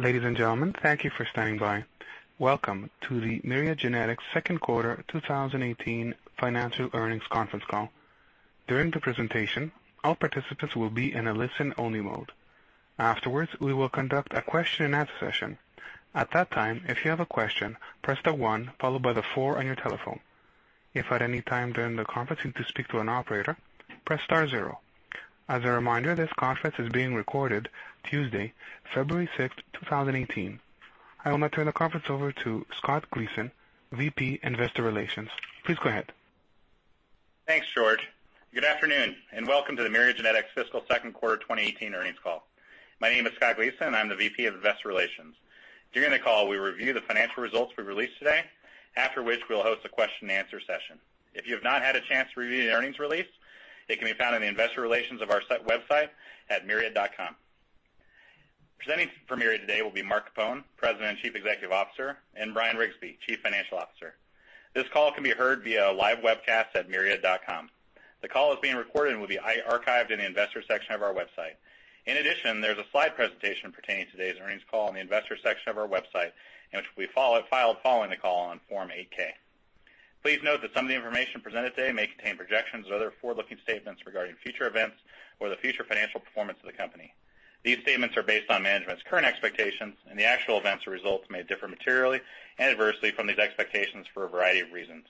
Ladies and gentlemen, thank you for standing by. Welcome to the Myriad Genetics second quarter 2018 financial earnings conference call. During the presentation, all participants will be in a listen-only mode. Afterwards, we will conduct a question and answer session. At that time, if you have a question, press the one followed by the four on your telephone. If at any time during the conference you need to speak to an operator, press star zero. As a reminder, this conference is being recorded Tuesday, February 6th, 2018. I will now turn the conference over to Scott Gleason, VP Investor Relations. Please go ahead. Thanks, George. Good afternoon, and welcome to the Myriad Genetics fiscal second quarter 2018 earnings call. My name is Scott Gleason, and I'm the VP of investor relations. During the call, we'll review the financial results we've released today, after which we'll host a question and answer session. If you have not had a chance to review the earnings release, it can be found in the investor relations of our website at myriad.com. Presenting for Myriad today will be Mark Capone, President and Chief Executive Officer, and Bryan Riggsbee, Chief Financial Officer. This call can be heard via a live webcast at myriad.com. The call is being recorded and will be archived in the investor section of our website. In addition, there's a slide presentation pertaining to today's earnings call in the investor section of our website, and which we filed following the call on Form 8-K. Please note that some of the information presented today may contain projections or other forward-looking statements regarding future events or the future financial performance of the company. These statements are based on management's current expectations, and the actual events or results may differ materially and adversely from these expectations for a variety of reasons.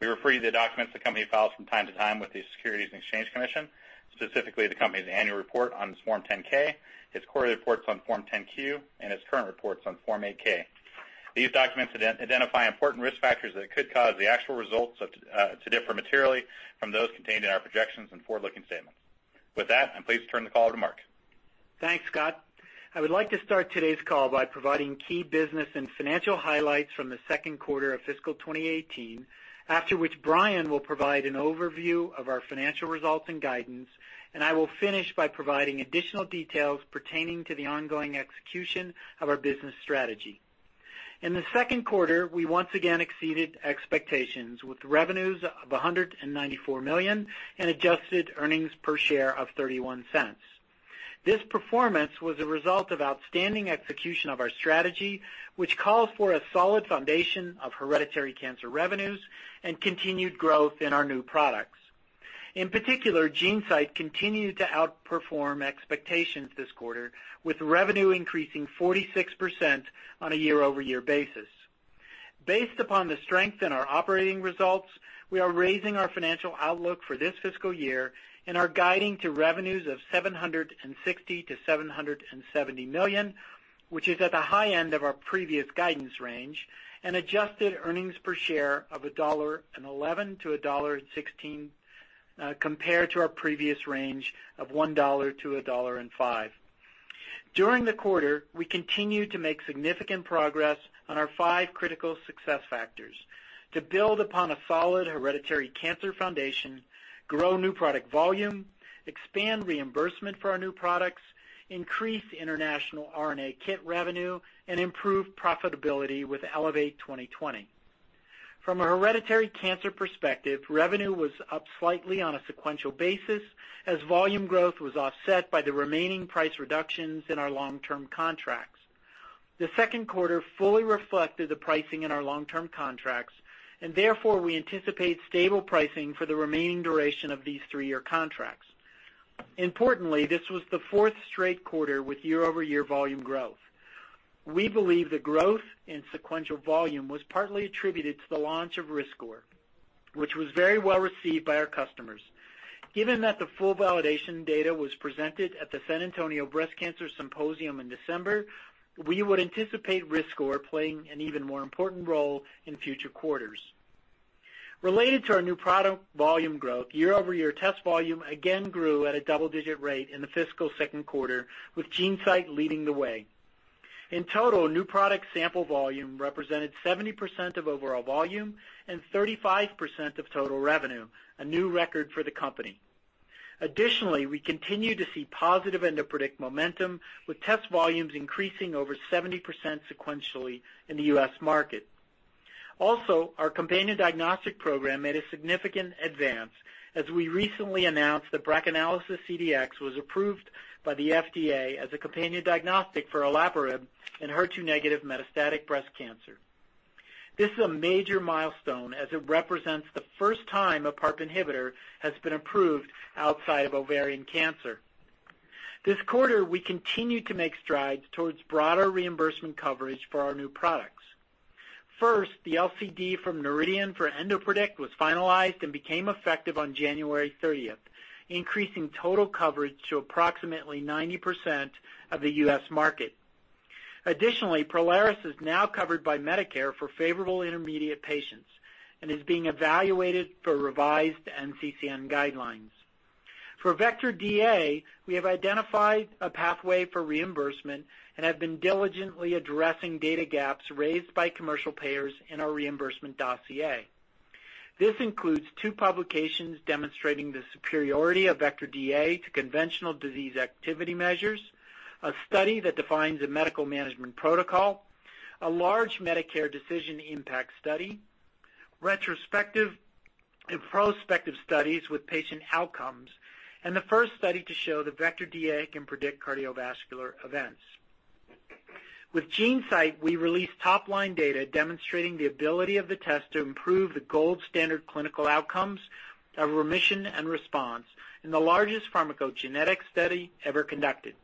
We refer you to the documents the company files from time to time with the Securities and Exchange Commission, specifically the company's annual report on its Form 10-K, its quarterly reports on Form 10-Q, and its current reports on Form 8-K. These documents identify important risk factors that could cause the actual results to differ materially from those contained in our projections and forward-looking statements. With that, I'm pleased to turn the call over to Mark. Thanks, Scott. I would like to start today's call by providing key business and financial highlights from the second quarter of fiscal 2018, after which Bryan will provide an overview of our financial results and guidance, and I will finish by providing additional details pertaining to the ongoing execution of our business strategy. In the second quarter, we once again exceeded expectations with revenues of $194 million and adjusted earnings per share of $0.31. This performance was a result of outstanding execution of our strategy, which calls for a solid foundation of hereditary cancer revenues and continued growth in our new products. In particular, GeneSight continued to outperform expectations this quarter, with revenue increasing 46% on a year-over-year basis. Based upon the strength in our operating results, we are raising our financial outlook for this fiscal year and are guiding to revenues of $760 million-$770 million, which is at the high end of our previous guidance range, and adjusted earnings per share of $1.11-$1.16, compared to our previous range of $1-$1.05. During the quarter, we continued to make significant progress on our five critical success factors: to build upon a solid hereditary cancer foundation, grow new product volume, expand reimbursement for our new products, increase international RNA kit revenue, and improve profitability with Elevate 2020. From a hereditary cancer perspective, revenue was up slightly on a sequential basis as volume growth was offset by the remaining price reductions in our long-term contracts. The second quarter fully reflected the pricing in our long-term contracts. Therefore, we anticipate stable pricing for the remaining duration of these three-year contracts. Importantly, this was the fourth straight quarter with year-over-year volume growth. We believe the growth in sequential volume was partly attributed to the launch of riskScore, which was very well received by our customers. Given that the full validation data was presented at the San Antonio Breast Cancer Symposium in December, we would anticipate riskScore playing an even more important role in future quarters. Related to our new product volume growth, year-over-year test volume again grew at a double-digit rate in the fiscal second quarter, with GeneSight leading the way. In total, new product sample volume represented 70% of overall volume and 35% of total revenue, a new record for the company. Additionally, we continue to see positive EndoPredict momentum, with test volumes increasing over 70% sequentially in the U.S. market. Also, our companion diagnostic program made a significant advance, as we recently announced that BRACAnalysis CDx was approved by the FDA as a companion diagnostic for olaparib in HER2-negative metastatic breast cancer. This is a major milestone as it represents the first time a PARP inhibitor has been approved outside of ovarian cancer. This quarter, we continued to make strides towards broader reimbursement coverage for our new products. First, the LCD from Noridian for EndoPredict was finalized and became effective on January 30th, increasing total coverage to approximately 90% of the U.S. market. Additionally, Prolaris is now covered by Medicare for favorable intermediate patients and is being evaluated for revised NCCN guidelines. For Vectra DA, we have identified a pathway for reimbursement and have been diligently addressing data gaps raised by commercial payers in our reimbursement dossier. This includes two publications demonstrating the superiority of Vectra DA to conventional disease activity measures, a study that defines a medical management protocol, a large Medicare decision impact study, retrospective and prospective studies with patient outcomes, and the first study to show that Vectra DA can predict cardiovascular events. With GeneSight, we released top-line data demonstrating the ability of the test to improve the gold standard clinical outcomes of remission and response in the largest pharmacogenetic study ever conducted.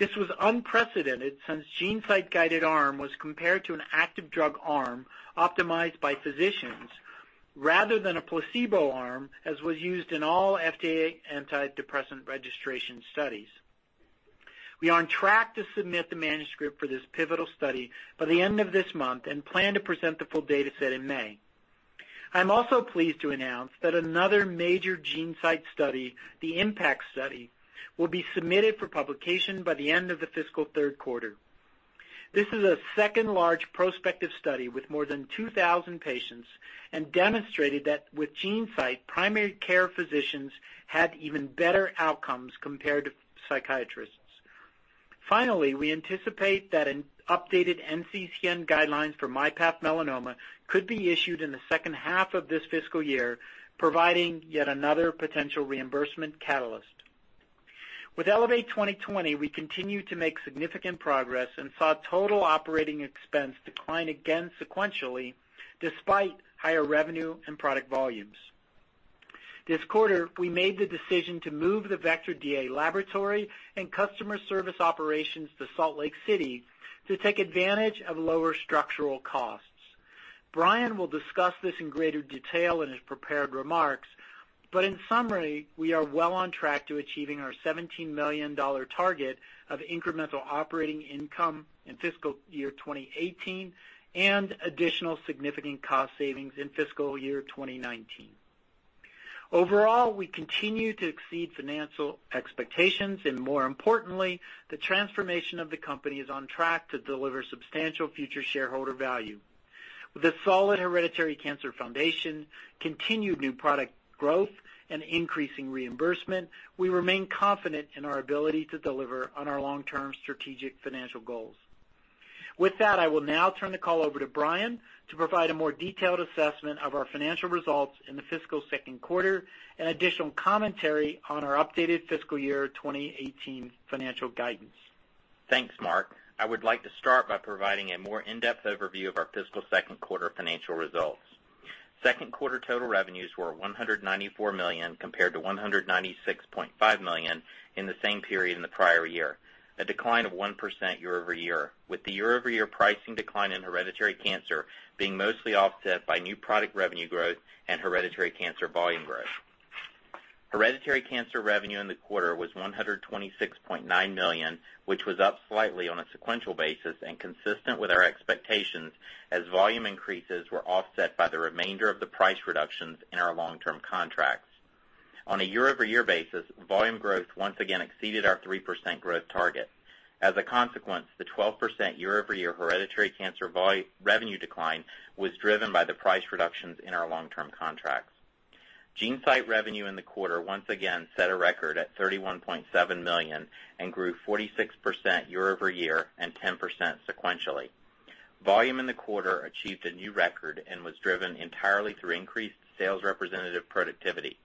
This was unprecedented since GeneSight-guided arm was compared to an active drug arm optimized by physicians rather than a placebo arm, as was used in all FDA antidepressant registration studies. We are on track to submit the manuscript for this pivotal study by the end of this month and plan to present the full data set in May. I'm also pleased to announce that another major GeneSight study, the IMPACT Study, will be submitted for publication by the end of the fiscal third quarter. This is a second large prospective study with more than 2,000 patients and demonstrated that with GeneSight, primary care physicians had even better outcomes compared to psychiatrists. Finally, we anticipate that an updated NCCN guideline for myPath Melanoma could be issued in the second half of this fiscal year, providing yet another potential reimbursement catalyst. With Elevate 2020, we continue to make significant progress and saw total operating expense decline again sequentially despite higher revenue and product volumes. This quarter, we made the decision to move the Vectra DA laboratory and customer service operations to Salt Lake City to take advantage of lower structural costs. Bryan will discuss this in greater detail in his prepared remarks, in summary, we are well on track to achieving our $17 million target of incremental operating income in fiscal year 2018 and additional significant cost savings in fiscal year 2019. Overall, we continue to exceed financial expectations and more importantly, the transformation of the company is on track to deliver substantial future shareholder value. With a solid hereditary cancer foundation, continued new product growth, and increasing reimbursement, we remain confident in our ability to deliver on our long-term strategic financial goals. With that, I will now turn the call over to Bryan to provide a more detailed assessment of our financial results in the fiscal second quarter and additional commentary on our updated fiscal year 2018 financial guidance. Thanks, Mark. I would like to start by providing a more in-depth overview of our fiscal second quarter financial results. Second quarter total revenues were $194 million, compared to $196.5 million in the same period in the prior year, a decline of 1% year-over-year, with the year-over-year pricing decline in hereditary cancer being mostly offset by new product revenue growth and hereditary cancer volume growth. Hereditary cancer revenue in the quarter was $126.9 million, which was up slightly on a sequential basis and consistent with our expectations as volume increases were offset by the remainder of the price reductions in our long-term contracts. On a year-over-year basis, volume growth once again exceeded our 3% growth target. As a consequence, the 12% year-over-year hereditary cancer revenue decline was driven by the price reductions in our long-term contracts. GeneSight revenue in the quarter once again set a record at $31.7 million and grew 46% year-over-year and 10% sequentially. Volume in the quarter achieved a new record and was driven entirely through increased sales representative productivity.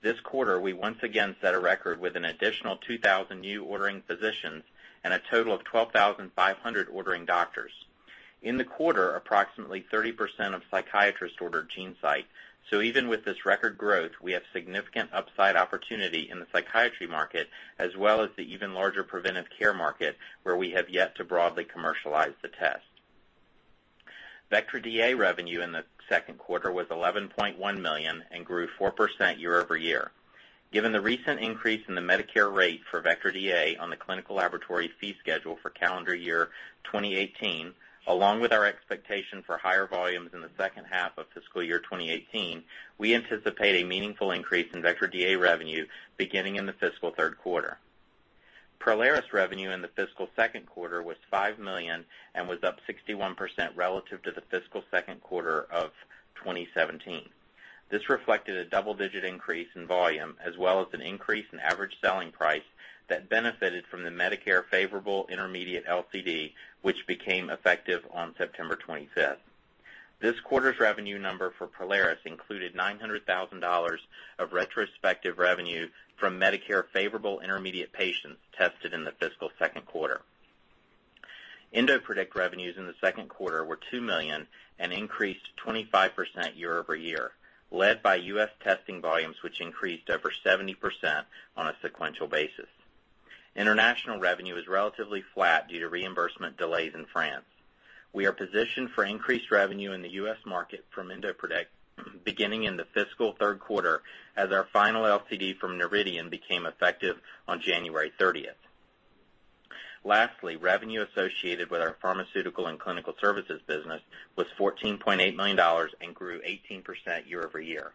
This quarter, we once again set a record with an additional 2,000 new ordering physicians and a total of 12,500 ordering doctors. In the quarter, approximately 30% of psychiatrists ordered GeneSight, even with this record growth, we have significant upside opportunity in the psychiatry market, as well as the even larger preventive care market, where we have yet to broadly commercialize the test. Vectra DA revenue in the second quarter was $11.1 million and grew 4% year-over-year. Given the recent increase in the Medicare rate for Vectra DA on the clinical laboratory fee schedule for calendar year 2018, along with our expectation for higher volumes in the second half of fiscal year 2018, we anticipate a meaningful increase in Vectra DA revenue beginning in the fiscal third quarter. Prolaris revenue in the fiscal second quarter was $5 million and was up 61% relative to the fiscal second quarter of 2017. This reflected a double-digit increase in volume, as well as an increase in average selling price that benefited from the Medicare favorable intermediate LCD, which became effective on September 25th. This quarter's revenue number for Prolaris included $900,000 of retrospective revenue from Medicare-favorable intermediate patients tested in the fiscal second quarter. EndoPredict revenues in the second quarter were $2 million and increased 25% year-over-year, led by U.S. testing volumes, which increased over 70% on a sequential basis. International revenue is relatively flat due to reimbursement delays in France. We are positioned for increased revenue in the U.S. market from EndoPredict beginning in the fiscal third quarter as our final LCD from Noridian became effective on January 30th. Lastly, revenue associated with our pharmaceutical and clinical services business was $14.8 million and grew 18% year-over-year.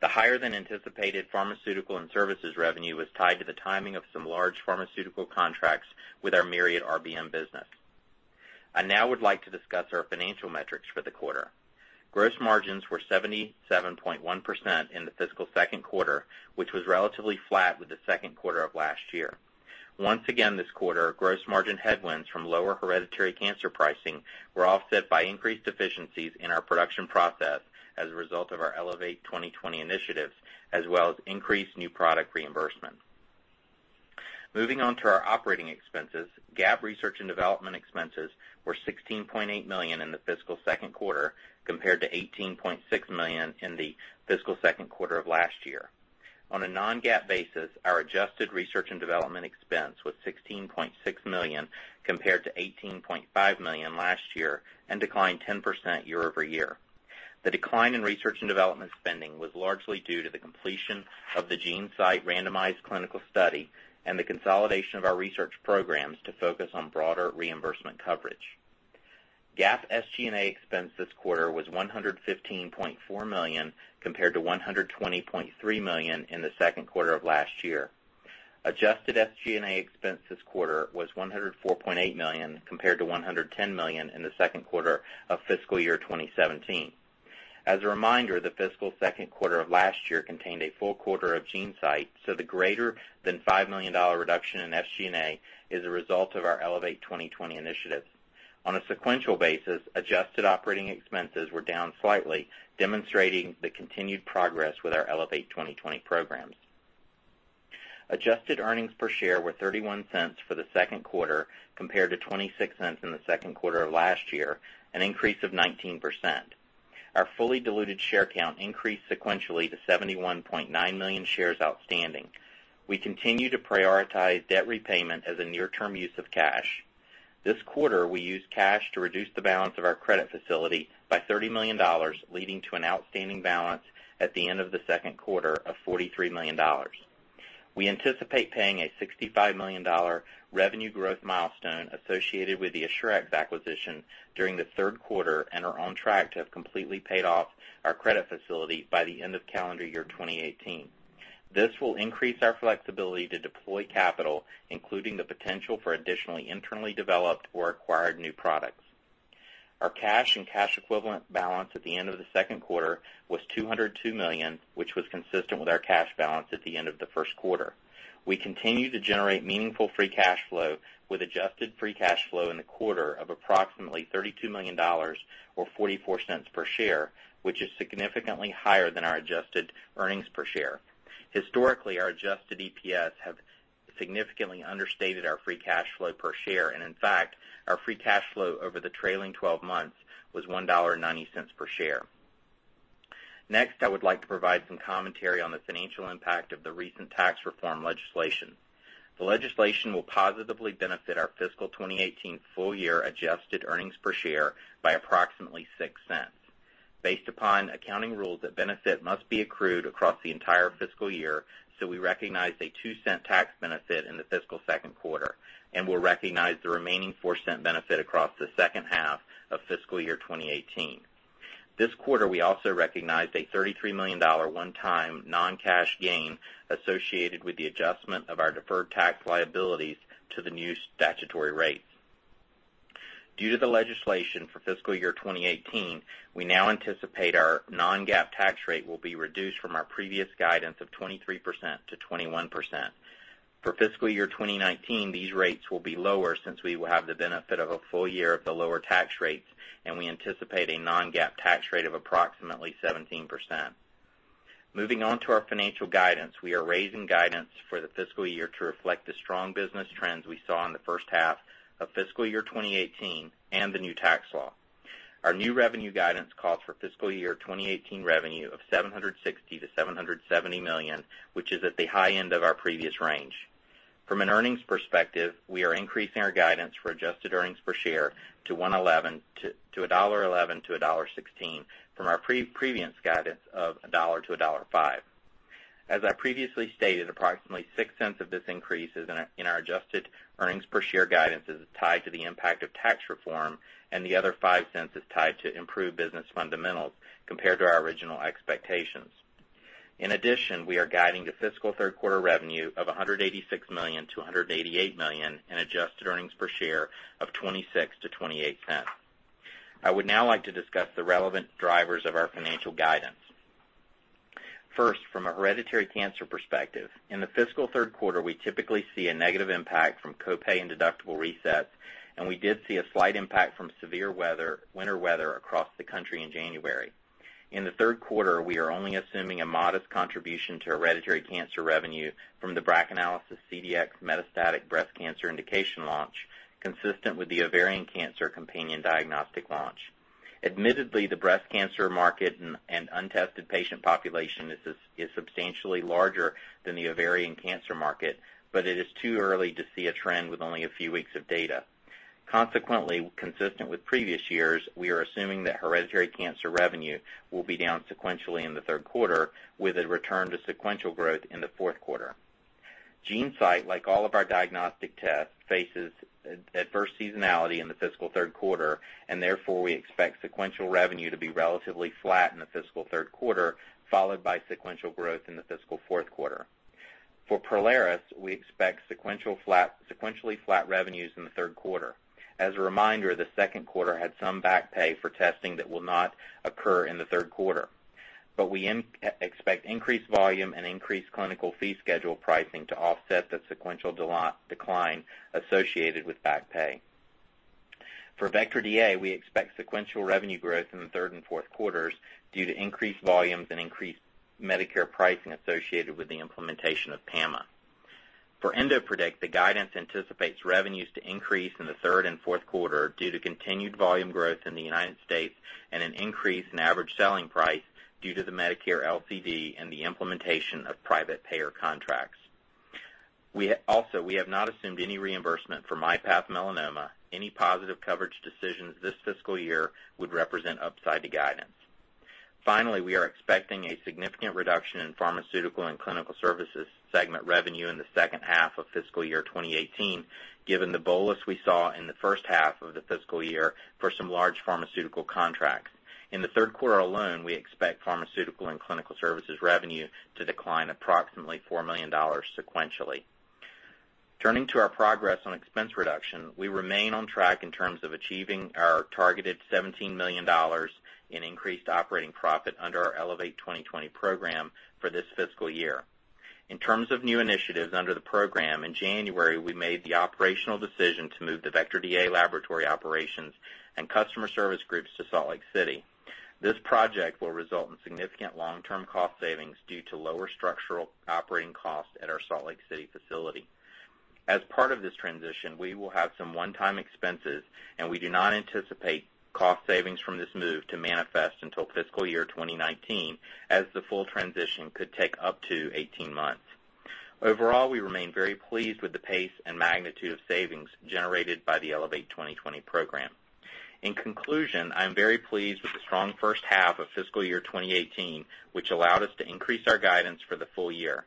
The higher-than-anticipated pharmaceutical and services revenue was tied to the timing of some large pharmaceutical contracts with our Myriad RBM business. I now would like to discuss our financial metrics for the quarter. Gross margins were 77.1% in the fiscal second quarter, which was relatively flat with the second quarter of last year. Once again this quarter, gross margin headwinds from lower hereditary cancer pricing were offset by increased efficiencies in our production process as a result of our Elevate 2020 initiatives, as well as increased new product reimbursement. Moving on to our operating expenses, GAAP research and development expenses were $16.8 million in the fiscal second quarter compared to $18.6 million in the fiscal second quarter of last year. On a non-GAAP basis, our adjusted research and development expense was $16.6 million compared to $18.5 million last year and declined 10% year-over-year. The decline in research and development spending was largely due to the completion of the GeneSight randomized clinical study and the consolidation of our research programs to focus on broader reimbursement coverage. GAAP SG&A expense this quarter was $115.4 million compared to $120.3 million in the second quarter of last year. Adjusted SG&A expense this quarter was $104.8 million compared to $110 million in the second quarter of fiscal year 2017. As a reminder, the fiscal second quarter of last year contained a full quarter of GeneSight, so the greater than $5 million reduction in SG&A is a result of our Elevate 2020 initiatives. On a sequential basis, adjusted operating expenses were down slightly, demonstrating the continued progress with our Elevate 2020 programs. Adjusted earnings per share were $0.31 for the second quarter compared to $0.26 in the second quarter of last year, an increase of 19%. Our fully diluted share count increased sequentially to 71.9 million shares outstanding. We continue to prioritize debt repayment as a near-term use of cash. This quarter, we used cash to reduce the balance of our credit facility by $30 million, leading to an outstanding balance at the end of the second quarter of $43 million. We anticipate paying a $65 million revenue growth milestone associated with the Assurex acquisition during the third quarter and are on track to have completely paid off our credit facility by the end of calendar year 2018. This will increase our flexibility to deploy capital, including the potential for additionally internally developed or acquired new products. Our cash and cash equivalent balance at the end of the second quarter was $202 million, which was consistent with our cash balance at the end of the first quarter. We continue to generate meaningful free cash flow with adjusted free cash flow in the quarter of approximately $32 million or $0.44 per share, which is significantly higher than our adjusted earnings per share. Historically, our adjusted EPS have significantly understated our free cash flow per share. In fact, our free cash flow over the trailing 12 months was $1.90 per share. Next, I would like to provide some commentary on the financial impact of the recent tax reform legislation. The legislation will positively benefit our fiscal 2018 full year adjusted earnings per share by approximately $0.06. Based upon accounting rules, that benefit must be accrued across the entire fiscal year, so we recognized a $0.02 tax benefit in the fiscal second quarter and will recognize the remaining $0.04 benefit across the second half of fiscal year 2018. This quarter, we also recognized a $33 million one-time non-cash gain associated with the adjustment of our deferred tax liabilities to the new statutory rates. Due to the legislation for fiscal year 2018, we now anticipate our non-GAAP tax rate will be reduced from our previous guidance of 23% to 21%. For fiscal year 2019, these rates will be lower since we will have the benefit of a full year of the lower tax rates, and we anticipate a non-GAAP tax rate of approximately 17%. Moving on to our financial guidance. We are raising guidance for the fiscal year to reflect the strong business trends we saw in the first half of fiscal year 2018 and the new tax law. Our new revenue guidance calls for fiscal year 2018 revenue of $760 million-$770 million, which is at the high end of our previous range. From an earnings perspective, we are increasing our guidance for adjusted earnings per share to $1.11-$1.16 from our previous guidance of $1-$1.05. As I previously stated, approximately $0.06 of this increase in our adjusted earnings per share guidance is tied to the impact of tax reform, and the other $0.05 is tied to improved business fundamentals compared to our original expectations. In addition, we are guiding the fiscal third quarter revenue of $186 million-$188 million and adjusted earnings per share of $0.26-$0.28. I would now like to discuss the relevant drivers of our financial guidance. First, from a hereditary cancer perspective. In the fiscal third quarter, we typically see a negative impact from copay and deductible resets, and we did see a slight impact from severe winter weather across the country in January. In the third quarter, we are only assuming a modest contribution to hereditary cancer revenue from the BRACAnalysis CDx metastatic breast cancer indication launch, consistent with the ovarian cancer companion diagnostic launch. Admittedly, the breast cancer market and untested patient population is substantially larger than the ovarian cancer market, but it is too early to see a trend with only a few weeks of data. Consequently, consistent with previous years, we are assuming that hereditary cancer revenue will be down sequentially in the third quarter with a return to sequential growth in the fourth quarter. GeneSight, like all of our diagnostic tests, faces adverse seasonality in the fiscal third quarter, and therefore, we expect sequential revenue to be relatively flat in the fiscal third quarter, followed by sequential growth in the fiscal fourth quarter. For Prolaris, we expect sequentially flat revenues in the third quarter. As a reminder, the second quarter had some back pay for testing that will not occur in the third quarter. We expect increased volume and increased clinical fee schedule pricing to offset the sequential decline associated with back pay. For Vectra DA, we expect sequential revenue growth in the third and fourth quarters due to increased volumes and increased Medicare pricing associated with the implementation of PAMA. For EndoPredict, the guidance anticipates revenues to increase in the third and fourth quarter due to continued volume growth in the U.S. and an increase in average selling price due to the Medicare LCD and the implementation of private payer contracts. Also, we have not assumed any reimbursement for myPath Melanoma. Any positive coverage decisions this fiscal year would represent upside to guidance. Finally, we are expecting a significant reduction in pharmaceutical and clinical services segment revenue in the second half of fiscal year 2018, given the bolus we saw in the first half of the fiscal year for some large pharmaceutical contracts. In the third quarter alone, we expect pharmaceutical and clinical services revenue to decline approximately $4 million sequentially. Turning to our progress on expense reduction, we remain on track in terms of achieving our targeted $17 million in increased operating profit under our Elevate 2020 program for this fiscal year. In terms of new initiatives under the program, in January, we made the operational decision to move the Vectra DA laboratory operations and customer service groups to Salt Lake City. This project will result in significant long-term cost savings due to lower structural operating costs at our Salt Lake City facility. As part of this transition, we will have some one-time expenses. We do not anticipate cost savings from this move to manifest until fiscal year 2019, as the full transition could take up to 18 months. Overall, we remain very pleased with the pace and magnitude of savings generated by the Elevate 2020 program. In conclusion, I am very pleased with the strong first half of fiscal year 2018, which allowed us to increase our guidance for the full year.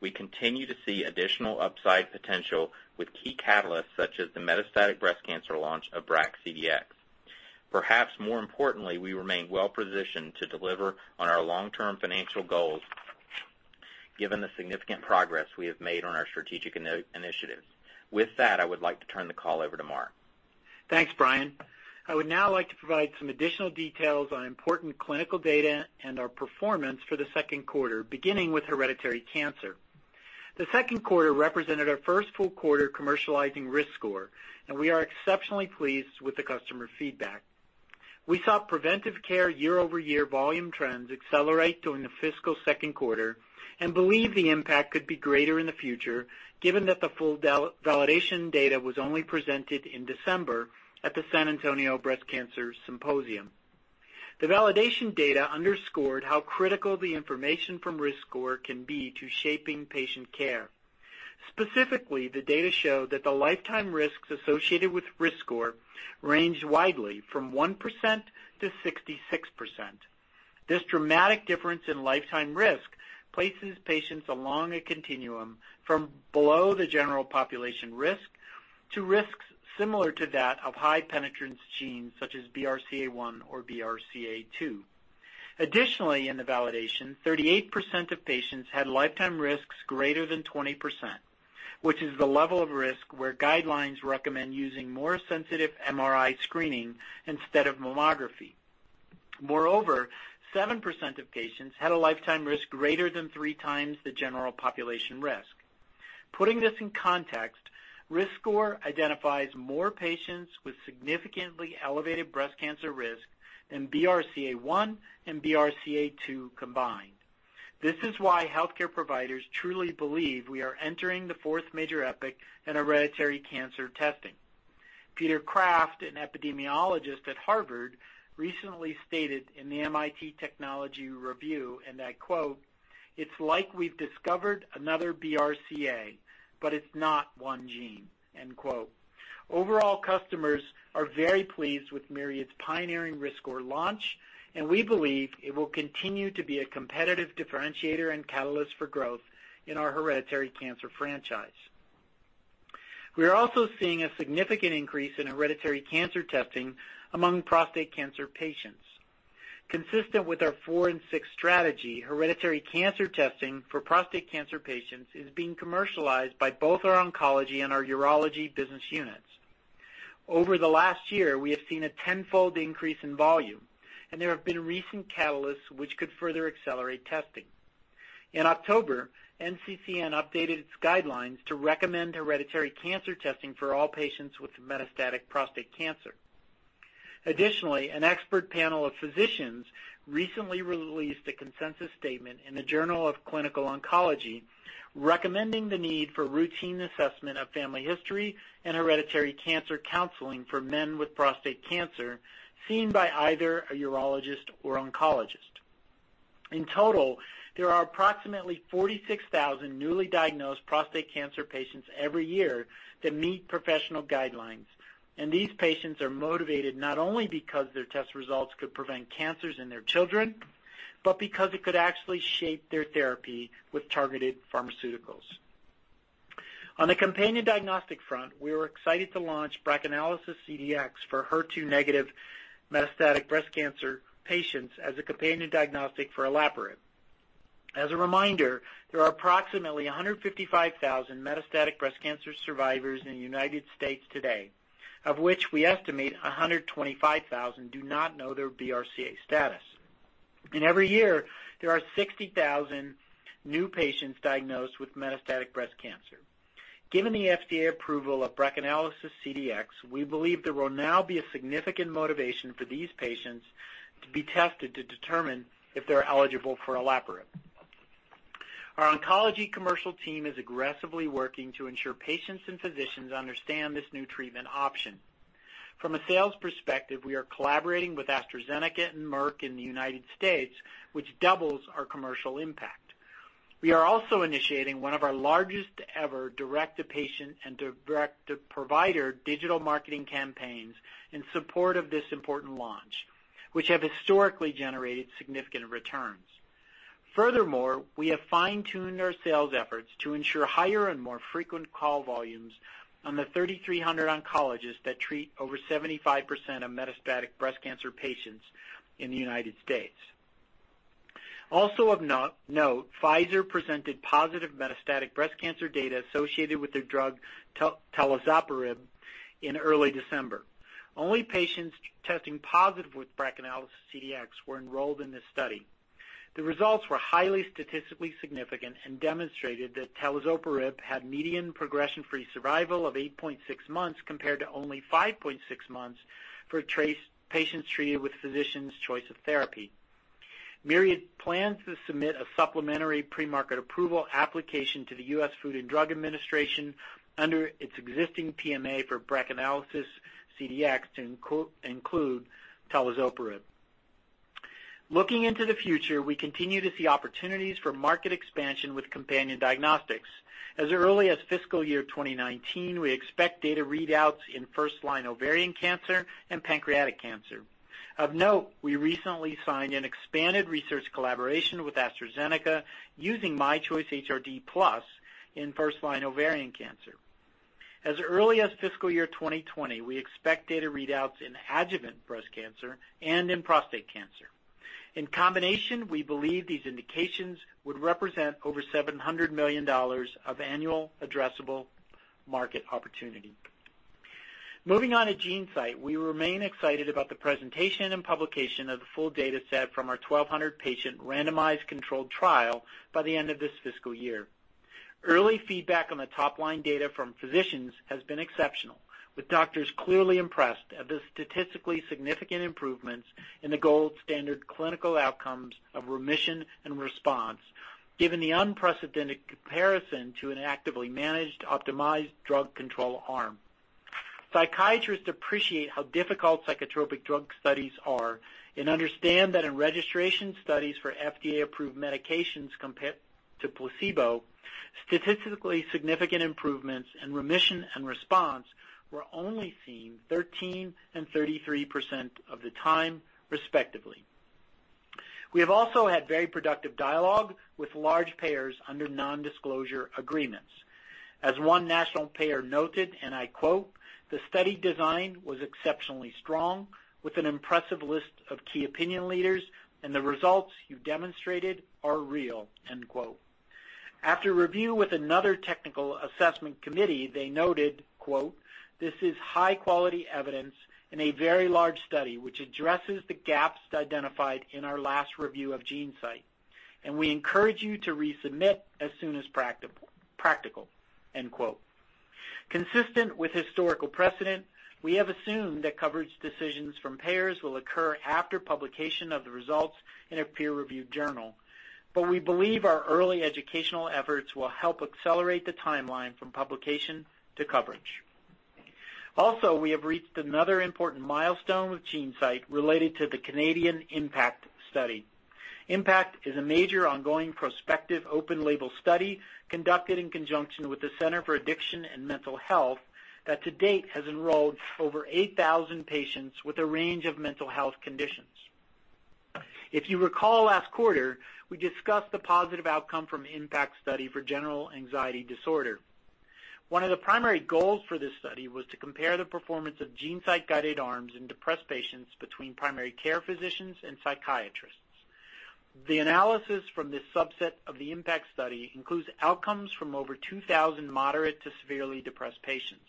We continue to see additional upside potential with key catalysts such as the metastatic breast cancer launch of BRCA CDx. Perhaps more importantly, we remain well-positioned to deliver on our long-term financial goals, given the significant progress we have made on our strategic initiatives. With that, I would like to turn the call over to Mark. Thanks, Bryan. I would now like to provide some additional details on important clinical data and our performance for the second quarter, beginning with hereditary cancer. The second quarter represented our first full quarter commercializing riskScore. We are exceptionally pleased with the customer feedback. We saw preventive care year-over-year volume trends accelerate during the fiscal second quarter and believe the impact could be greater in the future, given that the full validation data was only presented in December at the San Antonio Breast Cancer Symposium. The validation data underscored how critical the information from riskScore can be to shaping patient care. Specifically, the data show that the lifetime risks associated with riskScore range widely from 1%-66%. This dramatic difference in lifetime risk places patients along a continuum from below the general population risk to risks similar to that of high-penetrance genes such as BRCA1 or BRCA2. Additionally, in the validation, 38% of patients had lifetime risks greater than 20%, which is the level of risk where guidelines recommend using more sensitive MRI screening instead of mammography. Moreover, 7% of patients had a lifetime risk greater than three times the general population risk. Putting this in context, riskScore identifies more patients with significantly elevated breast cancer risk than BRCA1 and BRCA2 combined. This is why healthcare providers truly believe we are entering the fourth major epic in hereditary cancer testing. Peter Kraft, an epidemiologist at Harvard, recently stated in the MIT Technology Review. I quote, "It's like we've discovered another BRCA, but it's not one gene." End quote. Overall, customers are very pleased with Myriad's pioneering riskScore launch, and we believe it will continue to be a competitive differentiator and catalyst for growth in our hereditary cancer franchise. We are also seeing a significant increase in hereditary cancer testing among prostate cancer patients. Consistent with our four and six strategy, hereditary cancer testing for prostate cancer patients is being commercialized by both our oncology and our urology business units. Over the last year, we have seen a tenfold increase in volume. There have been recent catalysts which could further accelerate testing. In October, NCCN updated its guidelines to recommend hereditary cancer testing for all patients with metastatic prostate cancer. Additionally, an expert panel of physicians recently released a consensus statement in the Journal of Clinical Oncology recommending the need for routine assessment of family history and hereditary cancer counseling for men with prostate cancer seen by either a urologist or oncologist. In total, there are approximately 46,000 newly diagnosed prostate cancer patients every year that meet professional guidelines, and these patients are motivated not only because their test results could prevent cancers in their children, but because it could actually shape their therapy with targeted pharmaceuticals. On the companion diagnostic front, we are excited to launch BRACAnalysis CDx for HER2-negative metastatic breast cancer patients as a companion diagnostic for olaparib. As a reminder, there are approximately 155,000 metastatic breast cancer survivors in the U.S. today, of which we estimate 125,000 do not know their BRCA status. Every year, there are 60,000 new patients diagnosed with metastatic breast cancer. Given the FDA approval of BRACAnalysis CDx, we believe there will now be a significant motivation for these patients to be tested to determine if they're eligible for olaparib. Our oncology commercial team is aggressively working to ensure patients and physicians understand this new treatment option. From a sales perspective, we are collaborating with AstraZeneca and Merck in the U.S., which doubles our commercial impact. We are also initiating one of our largest ever direct-to-patient and direct-to-provider digital marketing campaigns in support of this important launch, which have historically generated significant returns. Furthermore, we have fine-tuned our sales efforts to ensure higher and more frequent call volumes on the 3,300 oncologists that treat over 75% of metastatic breast cancer patients in the U.S. Also of note, Pfizer presented positive metastatic breast cancer data associated with their drug, talazoparib, in early December. Only patients testing positive with BRACAnalysis CDx were enrolled in this study. The results were highly statistically significant and demonstrated that talazoparib had median progression-free survival of 8.6 months, compared to only 5.6 months for patients treated with physician's choice of therapy. Myriad plans to submit a supplementary pre-market approval application to the U.S. Food & Drug Administration under its existing PMA for BRACAnalysis CDx to include talazoparib. Looking into the future, we continue to see opportunities for market expansion with companion diagnostics. As early as FY 2019, we expect data readouts in first-line ovarian cancer and pancreatic cancer. Of note, we recently signed an expanded research collaboration with AstraZeneca using myChoice HRD+ in first-line ovarian cancer. As early as FY 2020, we expect data readouts in adjuvant breast cancer and in prostate cancer. In combination, we believe these indications would represent over $700 million of annual addressable market opportunity. Moving on to GeneSight, we remain excited about the presentation and publication of the full data set from our 1,200-patient randomized controlled trial by the end of this fiscal year. Early feedback on the top-line data from physicians has been exceptional, with doctors clearly impressed at the statistically significant improvements in the gold-standard clinical outcomes of remission and response, given the unprecedented comparison to an actively managed, optimized drug control arm. Psychiatrists appreciate how difficult psychotropic drug studies are and understand that in registration studies for FDA-approved medications compared to placebo, statistically significant improvements in remission and response were only seen 13% and 33% of the time, respectively. We have also had very productive dialogue with large payers under non-disclosure agreements. As one national payer noted, I quote, "The study design was exceptionally strong, with an impressive list of key opinion leaders, The results you demonstrated are real." End quote. After review with another technical assessment committee, they noted, quote, "This is high-quality evidence in a very large study, which addresses the gaps identified in our last review of GeneSight, We encourage you to resubmit as soon as practical." End quote. Consistent with historical precedent, we have assumed that coverage decisions from payers will occur after publication of the results in a peer-reviewed journal, We believe our early educational efforts will help accelerate the timeline from publication to coverage. We have reached another important milestone with GeneSight related to the Canadian IMPACT study. IMPACT is a major ongoing prospective open-label study conducted in conjunction with the Centre for Addiction and Mental Health that to date has enrolled over 8,000 patients with a range of mental health conditions. If you recall last quarter, we discussed the positive outcome from IMPACT study for general anxiety disorder. One of the primary goals for this study was to compare the performance of GeneSight-guided arms in depressed patients between primary care physicians and psychiatrists. The analysis from this subset of the IMPACT study includes outcomes from over 2,000 moderate to severely depressed patients.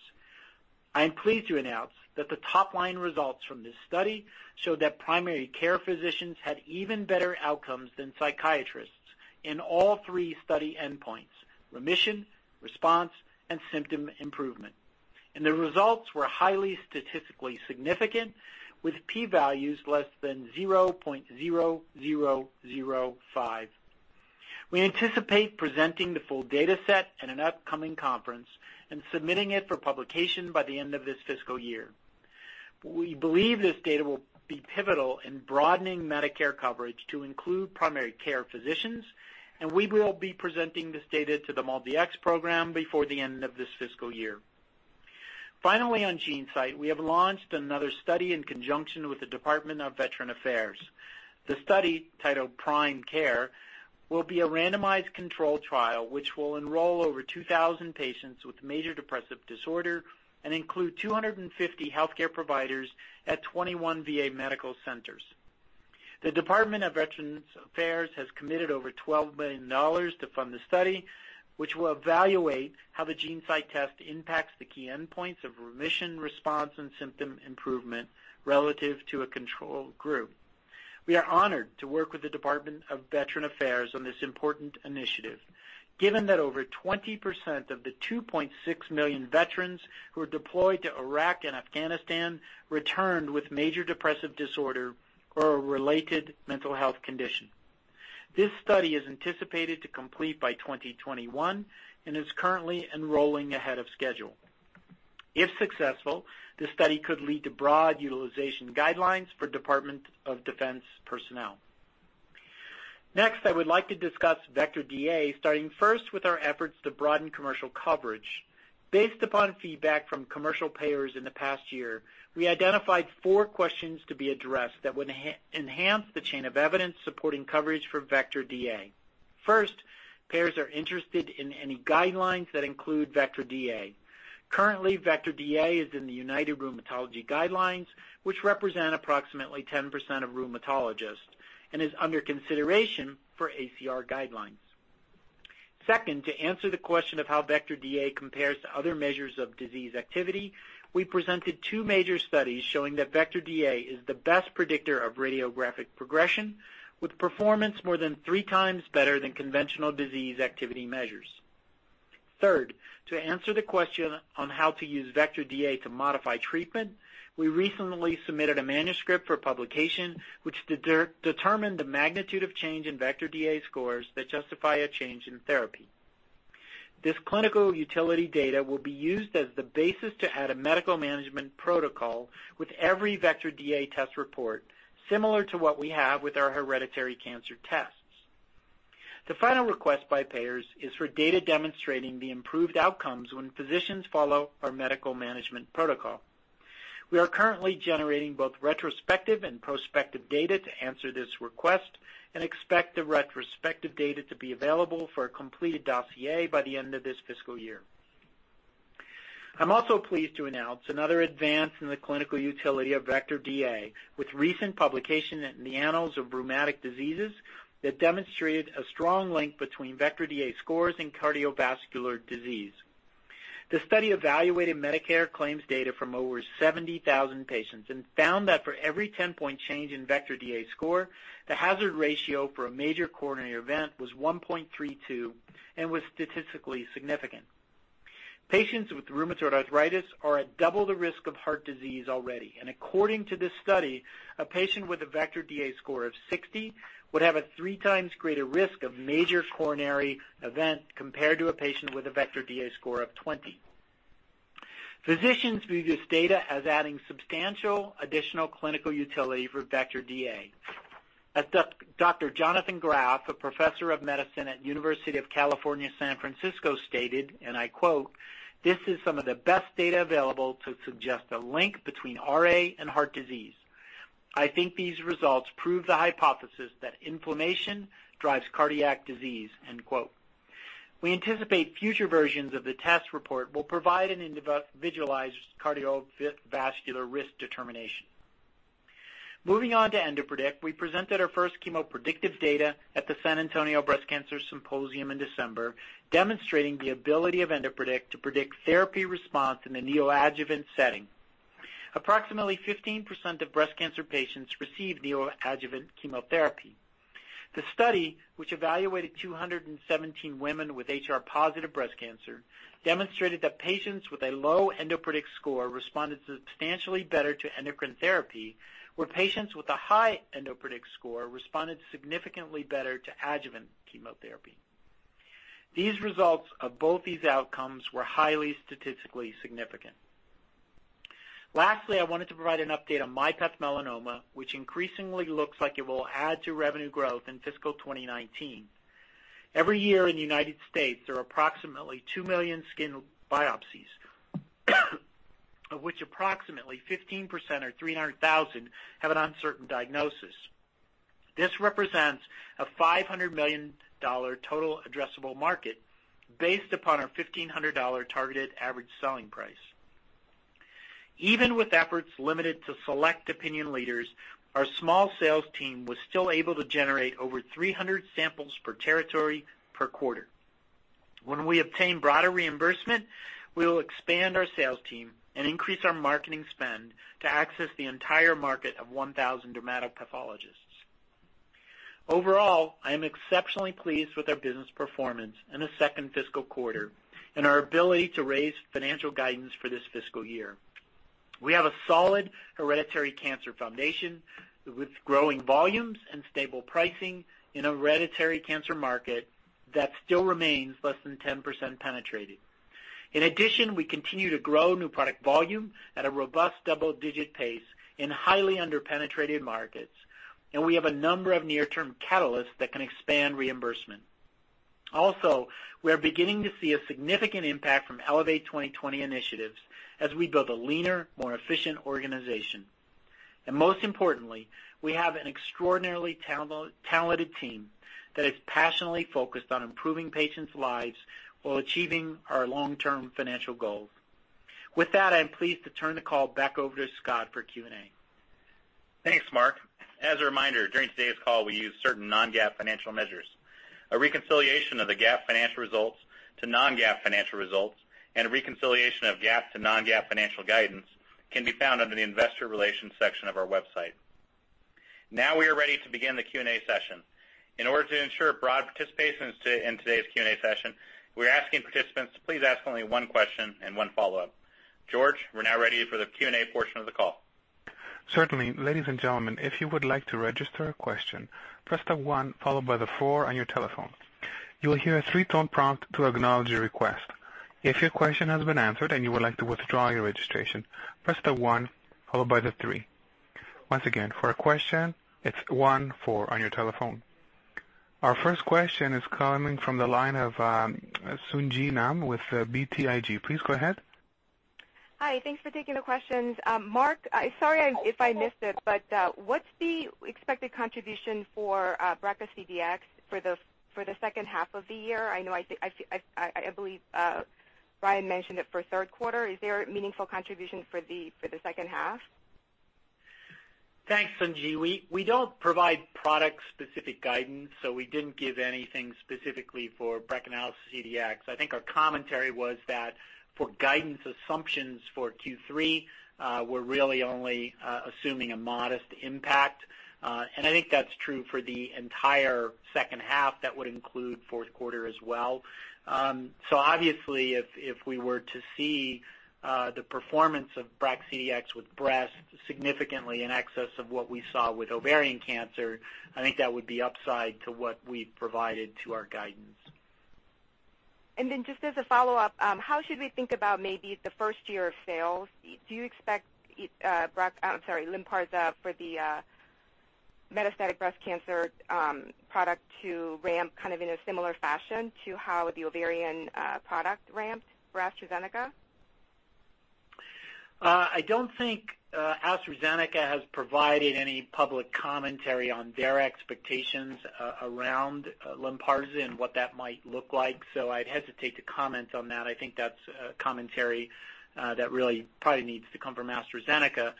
I am pleased to announce that the top-line results from this study show that primary care physicians had even better outcomes than psychiatrists in all three study endpoints: remission, response, and symptom improvement. The results were highly statistically significant, with P values less than 0.0005. We anticipate presenting the full data set at an upcoming conference, submitting it for publication by the end of this fiscal year. We believe this data will be pivotal in broadening Medicare coverage to include primary care physicians, We will be presenting this data to the MolDX program before the end of this fiscal year. Finally, on GeneSight, we have launched another study in conjunction with the Department of Veterans Affairs. The study, titled PRIME Care, will be a randomized control trial, which will enroll over 2,000 patients with major depressive disorder and include 250 healthcare providers at 21 VA medical centers. The Department of Veterans Affairs has committed over $12 million to fund the study, which will evaluate how the GeneSight test impacts the key endpoints of remission, response, and symptom improvement relative to a control group. We are honored to work with the Department of Veterans Affairs on this important initiative, given that over 20% of the 2.6 million veterans who were deployed to Iraq and Afghanistan returned with major depressive disorder or a related mental health condition. This study is anticipated to complete by 2021 and is currently enrolling ahead of schedule. If successful, the study could lead to broad utilization guidelines for Department of Defense personnel. I would like to discuss Vectra DA, starting first with our efforts to broaden commercial coverage. Based upon feedback from commercial payers in the past year, we identified four questions to be addressed that would enhance the chain of evidence supporting coverage for Vectra DA. First, payers are interested in any guidelines that include Vectra DA. Currently, Vectra DA is in the United Rheumatology guidelines, which represent approximately 10% of rheumatologists and is under consideration for ACR guidelines. Second, to answer the question of how Vectra DA compares to other measures of disease activity, we presented two major studies showing that Vectra DA is the best predictor of radiographic progression, with performance more than three times better than conventional disease activity measures. Third, to answer the question on how to use Vectra DA to modify treatment, we recently submitted a manuscript for publication, which determined the magnitude of change in Vectra DA scores that justify a change in therapy. This clinical utility data will be used as the basis to add a medical management protocol with every Vectra DA test report, similar to what we have with our hereditary cancer tests. The final request by payers is for data demonstrating the improved outcomes when physicians follow our medical management protocol. We are currently generating both retrospective and prospective data to answer this request and expect the retrospective data to be available for a completed dossier by the end of this fiscal year. I'm also pleased to announce another advance in the clinical utility of Vectra DA with recent publication in the Annals of the Rheumatic Diseases that demonstrated a strong link between Vectra DA scores and cardiovascular disease. The study evaluated Medicare claims data from over 70,000 patients and found that for every 10-point change in Vectra DA score, the hazard ratio for a major coronary event was 1.32 and was statistically significant. Patients with rheumatoid arthritis are at double the risk of heart disease already, according to this study, a patient with a Vectra DA score of 60 would have a three times greater risk of major coronary event compared to a patient with a Vectra DA score of 20. Physicians view this data as adding substantial additional clinical utility for Vectra DA. As Dr. Jonathan Graf, a professor of medicine at University of California, San Francisco, stated, and I quote, "This is some of the best data available to suggest a link between RA and heart disease. I think these results prove the hypothesis that inflammation drives cardiac disease." End quote. We anticipate future versions of the test report will provide an individualized cardiovascular risk determination. Moving on to EndoPredict, we presented our first chemo-predictive data at the San Antonio Breast Cancer Symposium in December, demonstrating the ability of EndoPredict to predict therapy response in the neoadjuvant setting. Approximately 15% of breast cancer patients receive neoadjuvant chemotherapy. The study, which evaluated 217 women with HR positive breast cancer, demonstrated that patients with a low EndoPredict score responded substantially better to endocrine therapy, where patients with a high EndoPredict score responded significantly better to adjuvant chemotherapy. These results of both these outcomes were highly statistically significant. Lastly, I wanted to provide an update on myPath Melanoma, which increasingly looks like it will add to revenue growth in fiscal 2019. Every year in the United States, there are approximately 2 million skin biopsies, of which approximately 15%, or 300,000, have an uncertain diagnosis. This represents a $500 million total addressable market based upon our $1,500 targeted average selling price. Even with efforts limited to select opinion leaders, our small sales team was still able to generate over 300 samples per territory, per quarter. When we obtain broader reimbursement, we will expand our sales team and increase our marketing spend to access the entire market of 1,000 dermatopathologists. Overall, I am exceptionally pleased with our business performance in the second fiscal quarter and our ability to raise financial guidance for this fiscal year. We have a solid hereditary cancer foundation with growing volumes and stable pricing in a hereditary cancer market that still remains less than 10% penetrated. We continue to grow new product volume at a robust double-digit pace in highly under-penetrated markets, and we have a number of near-term catalysts that can expand reimbursement. We are beginning to see a significant impact from Elevate 2020 initiatives as we build a leaner, more efficient organization. Most importantly, we have an extraordinarily talented team that is passionately focused on improving patients' lives while achieving our long-term financial goals. With that, I'm pleased to turn the call back over to Scott for Q&A. Thanks, Mark. As a reminder, during today's call, we use certain non-GAAP financial measures. A reconciliation of the GAAP financial results to non-GAAP financial results and a reconciliation of GAAP to non-GAAP financial guidance can be found under the investor relations section of our website. We are ready to begin the Q&A session. In order to ensure broad participation in today's Q&A session, we're asking participants to please ask only one question and one follow-up. George, we're now ready for the Q&A portion of the call. Certainly. Ladies and gentlemen, if you would like to register a question, press the one followed by the four on your telephone. You will hear a three-tone prompt to acknowledge your request. If your question has been answered and you would like to withdraw your registration, press the one followed by the three. Once again, for a question, it's one, four on your telephone. Our first question is coming from the line of Sung Ji Nam with BTIG. Please go ahead. Hi. Thanks for taking the questions. Mark, sorry if I missed it, what's the expected contribution for BRCA CDx for the second half of the year? I believe Brian mentioned it for the third quarter. Is there a meaningful contribution for the second half? Thanks, Sung Ji. We don't provide product-specific guidance, we didn't give anything specifically for BRACAnalysis CDx. I think our commentary was that for guidance assumptions for Q3, we're really only assuming a modest impact. I think that's true for the entire second half. That would include the fourth quarter as well. Obviously, if we were to see the performance of BRCA CDx with breast significantly in excess of what we saw with ovarian cancer, I think that would be upside to what we provided to our guidance. Just as a follow-up, how should we think about maybe the first year of sales? Do you expect LYNPARZA for the metastatic breast cancer product to ramp in a similar fashion to how the ovarian product ramped for AstraZeneca? I don't think AstraZeneca has provided any public commentary on their expectations around LYNPARZA and what that might look like. I'd hesitate to comment on that. I think that's a commentary that really probably needs to come from AstraZeneca.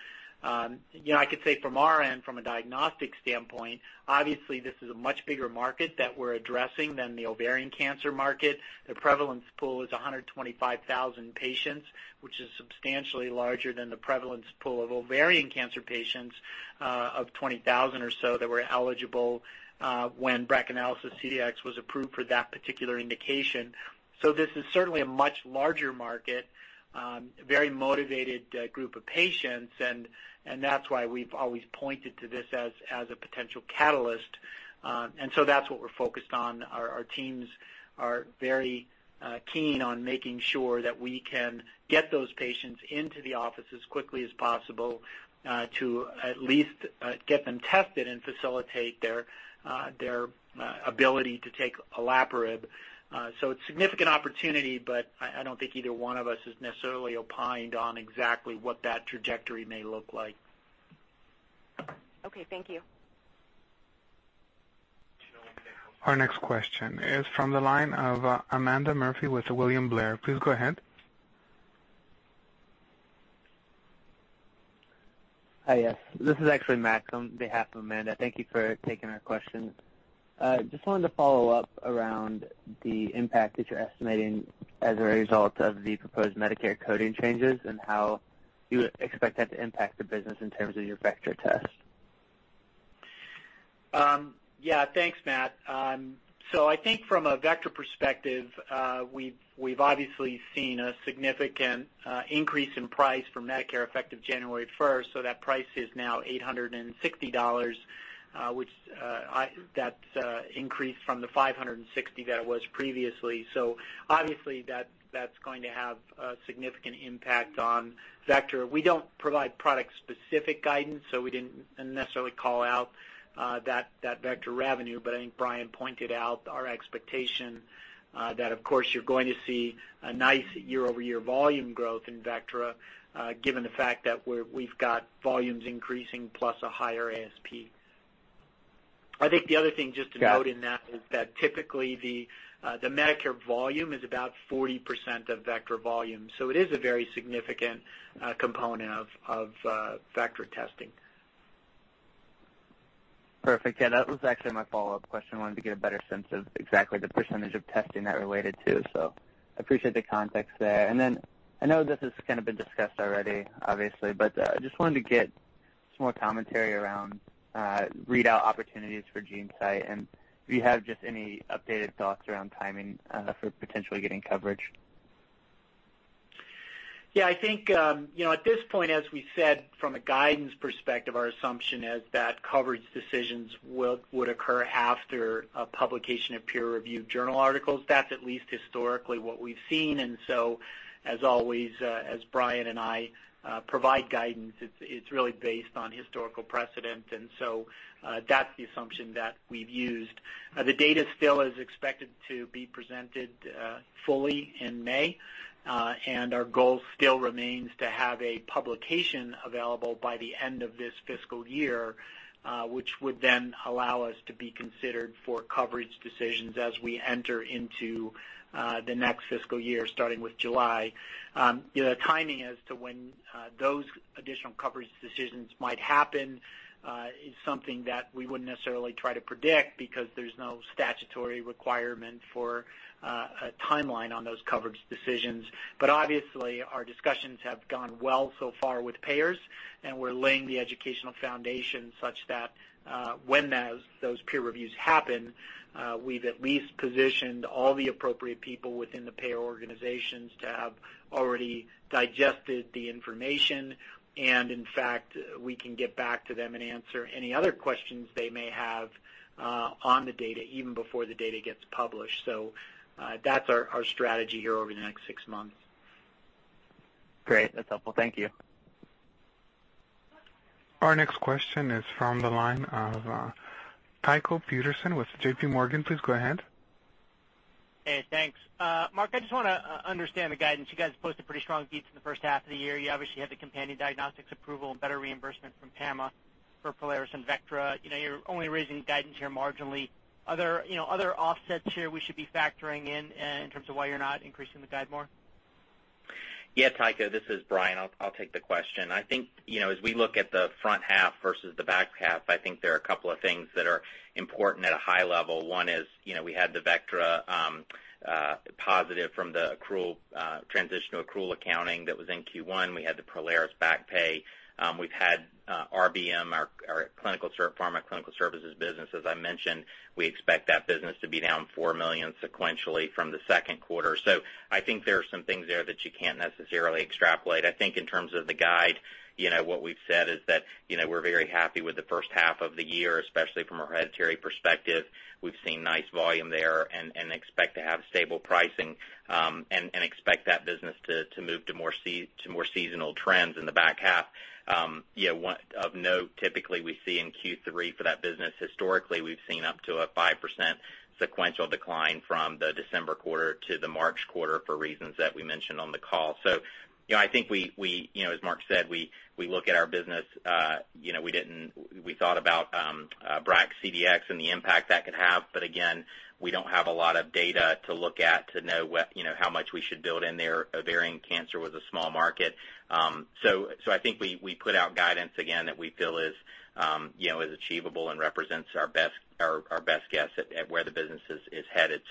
I could say from our end, from a diagnostic standpoint, obviously this is a much bigger market that we're addressing than the ovarian cancer market. The prevalence pool is 125,000 patients, which is substantially larger than the prevalence pool of ovarian cancer patients of 20,000 or so that were eligible when BRACAnalysis CDx was approved for that particular indication. This is certainly a much larger market, a very motivated group of patients, that's why we've always pointed to this as a potential catalyst. That's what we're focused on. Our teams are very keen on making sure that we can get those patients into the office as quickly as possible, to at least get them tested and facilitate their ability to take olaparib. It's a significant opportunity, but I don't think either one of us has necessarily opined on exactly what that trajectory may look like. Okay. Thank you. Our next question is from the line of Amanda Murphy with William Blair. Please go ahead. Hi. This is actually Matt on behalf of Amanda. Thank you for taking our question. I just wanted to follow up around the impact that you're estimating as a result of the proposed Medicare coding changes and how you expect that to impact the business in terms of your Vectra test. Yeah. Thanks, Matt. I think from a Vectra perspective, we've obviously seen a significant increase in price from Medicare effective January 1st. That price is now $860, which that's an increase from the $560 that it was previously. Obviously, that's going to have a significant impact on Vectra. We don't provide product-specific guidance, so we didn't necessarily call out that Vectra revenue. I think Bryan pointed out our expectation that, of course, you're going to see a nice year-over-year volume growth in Vectra, given the fact that we've got volumes increasing plus a higher ASP. The other thing just to note in that is that typically the Medicare volume is about 40% of Vectra volume. It is a very significant component of Vectra testing. Perfect. Yeah, that was actually my follow-up question. I wanted to get a better sense of exactly the percentage of testing that related to. I appreciate the context there. I know this has kind of been discussed already, obviously, but just wanted to get some more commentary around readout opportunities for GeneSight and if you have just any updated thoughts around timing for potentially getting coverage. Yeah, I think, at this point, as we said from a guidance perspective, our assumption is that coverage decisions would occur after a publication of peer-reviewed journal articles. That's at least historically what we've seen. As always, as Bryan and I provide guidance, it's really based on historical precedent. That's the assumption that we've used. The data still is expected to be presented fully in May, and our goal still remains to have a publication available by the end of this fiscal year, which would then allow us to be considered for coverage decisions as we enter into the next fiscal year, starting with July. The timing as to when those additional coverage decisions might happen is something that we wouldn't necessarily try to predict because there's no statutory requirement for a timeline on those coverage decisions. Obviously, our discussions have gone well so far with payers, and we're laying the educational foundation such that when those peer reviews happen, we've at least positioned all the appropriate people within the payer organizations to have already digested the information. In fact, we can get back to them and answer any other questions they may have on the data, even before the data gets published. That's our strategy here over the next six months. Great. That's helpful. Thank you. Our next question is from the line of Tycho Peterson with JPMorgan. Please go ahead. Hey, thanks. Mark, I just want to understand the guidance. You guys posted pretty strong beats in the first half of the year. You obviously had the companion diagnostics approval and better reimbursement from PAMA for Prolaris and Vectra. You're only raising guidance here marginally. Are there other offsets here we should be factoring in terms of why you're not increasing the guide more? Yeah, Tycho. This is Brian. I'll take the question. I think, as we look at the front half versus the back half, I think there are a couple of things that are important at a high level. One is, we had the Vectra positive from the transition to accrual accounting that was in Q1. We had the Prolaris back pay. We've had RBM, our pharma clinical services business, as I mentioned, we expect that business to be down $4 million sequentially from the second quarter. I think there's some things there that you can't necessarily extrapolate. I think in terms of the guide, what we've said is that, we're very happy with the first half of the year, especially from a hereditary perspective. We've seen nice volume there and expect to have stable pricing and expect that business to move to more seasonal trends in the back half. Of note, typically we see in Q3 for that business historically, we've seen up to a 5% sequential decline from the December quarter to the March quarter for reasons that we mentioned on the call. I think as Mark said, we look at our business. We thought about BRACAnalysis CDx and the impact that could have, but again, we don't have a lot of data to look at to know how much we should build in there. Ovarian cancer was a small market. I think we put out guidance again that we feel is achievable and represents our best guess at where the business is headed.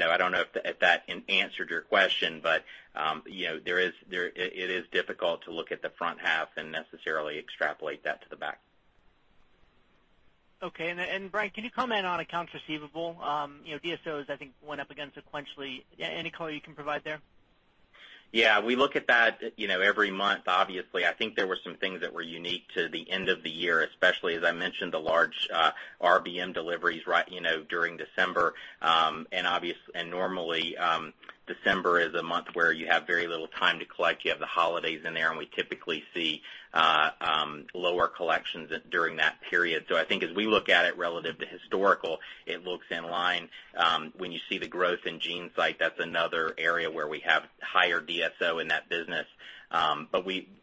I don't know if that answered your question, but it is difficult to look at the front half and necessarily extrapolate that to the back. Okay. Brian, can you comment on accounts receivable? DSOs, I think, went up again sequentially. Any color you can provide there? Yeah. We look at that every month, obviously. I think there were some things that were unique to the end of the year, especially as I mentioned, the large RBM deliveries during December. Normally, December is a month where you have very little time to collect. You have the holidays in there, and we typically see lower collections during that period. I think as we look at it relative to historical, it looks in line. When you see the growth in GeneSight, that's another area where we have higher DSO in that business.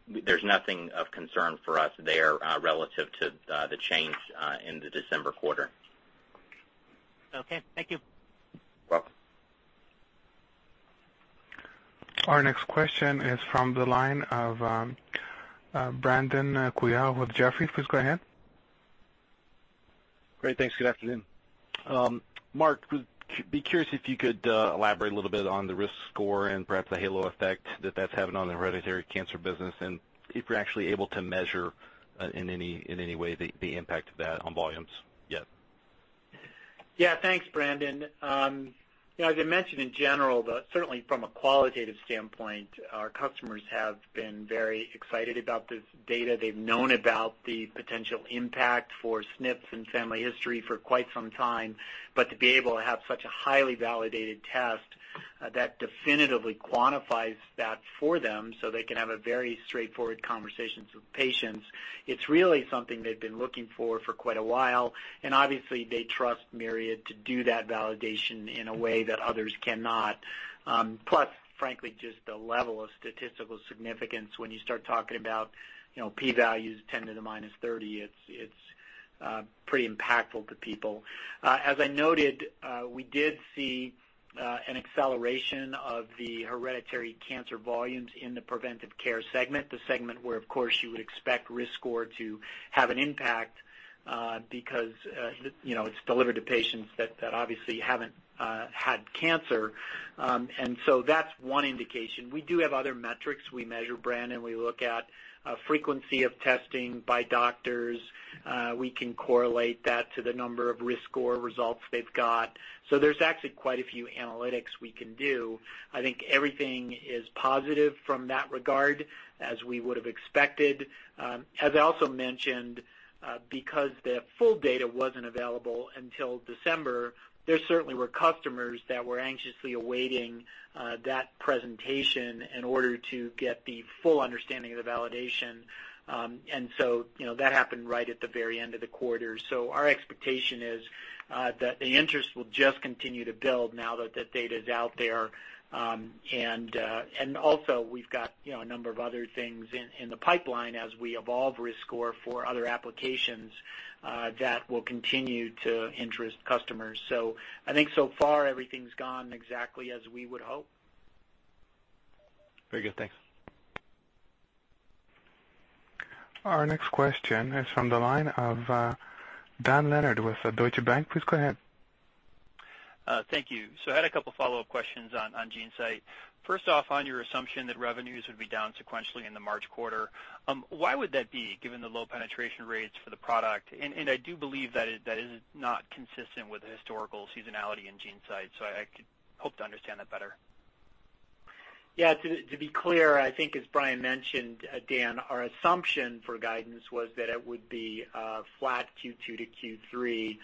There's nothing of concern for us there relative to the change in the December quarter. Okay. Thank you. Welcome. Our next question is from the line of Brandon Couillard with Jefferies. Please go ahead. Great. Thanks. Good afternoon. Mark, would be curious if you could elaborate a little bit on the riskScore and perhaps the halo effect that that's having on the hereditary cancer business, and if you're actually able to measure in any way the impact of that on volumes yet. Yeah. Thanks, Brandon. As I mentioned in general, certainly from a qualitative standpoint, our customers have been very excited about this data. They've known about the potential impact for SNPs and family history for quite some time, but to be able to have such a highly validated test that definitively quantifies that for them so they can have a very straightforward conversation with patients, it's really something they've been looking for for quite a while, and obviously they trust Myriad to do that validation in a way that others cannot. Plus, frankly, just the level of statistical significance when you start talking about P values 10 to the minus 30, it's pretty impactful to people. As I noted, we did see an acceleration of the hereditary cancer volumes in the preventive care segment, the segment where, of course, you would expect riskScore to have an impact, because it's delivered to patients that obviously haven't had cancer. That's one indication. We do have other metrics we measure, Brandon. We look at frequency of testing by doctors. We can correlate that to the number of riskScore results they've got. There's actually quite a few analytics we can do. I think everything is positive from that regard, as we would've expected. As I also mentioned, because the full data wasn't available until December, there certainly were customers that were anxiously awaiting that presentation in order to get the full understanding of the validation. That happened right at the very end of the quarter. Our expectation is that the interest will just continue to build now that that data's out there. Also we've got a number of other things in the pipeline as we evolve riskScore for other applications that will continue to interest customers. I think so far everything's gone exactly as we would hope. Very good. Thanks. Our next question is from the line of Dan Leonard with Deutsche Bank. Please go ahead. Thank you. I had a couple follow-up questions on GeneSight. First off, on your assumption that revenues would be down sequentially in the March quarter, why would that be, given the low penetration rates for the product? I do believe that is not consistent with historical seasonality in GeneSight, I hope to understand that better. Yeah, to be clear, I think as Bryan mentioned, Dan, our assumption for guidance was that it would be flat Q2 to Q3,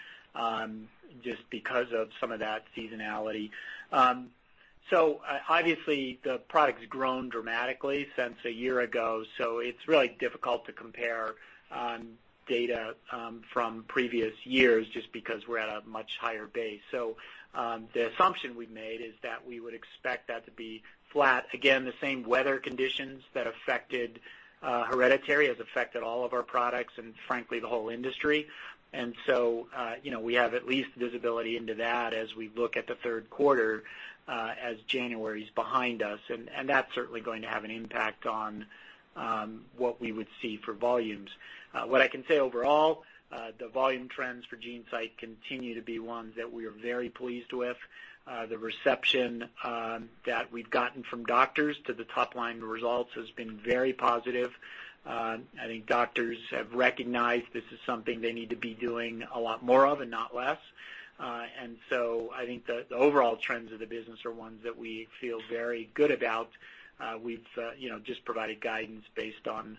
just because of some of that seasonality. Obviously, the product's grown dramatically since a year ago, it's really difficult to compare data from previous years just because we're at a much higher base. The assumption we've made is that we would expect that to be flat. Again, the same weather conditions that affected hereditary has affected all of our products and frankly, the whole industry. We have at least visibility into that as we look at the third quarter, as January is behind us, and that's certainly going to have an impact on what we would see for volumes. What I can say overall, the volume trends for GeneSight continue to be one that we are very pleased with. The reception that we've gotten from doctors to the top-line results has been very positive. I think doctors have recognized this is something they need to be doing a lot more of and not less. I think the overall trends of the business are ones that we feel very good about. We've just provided guidance based on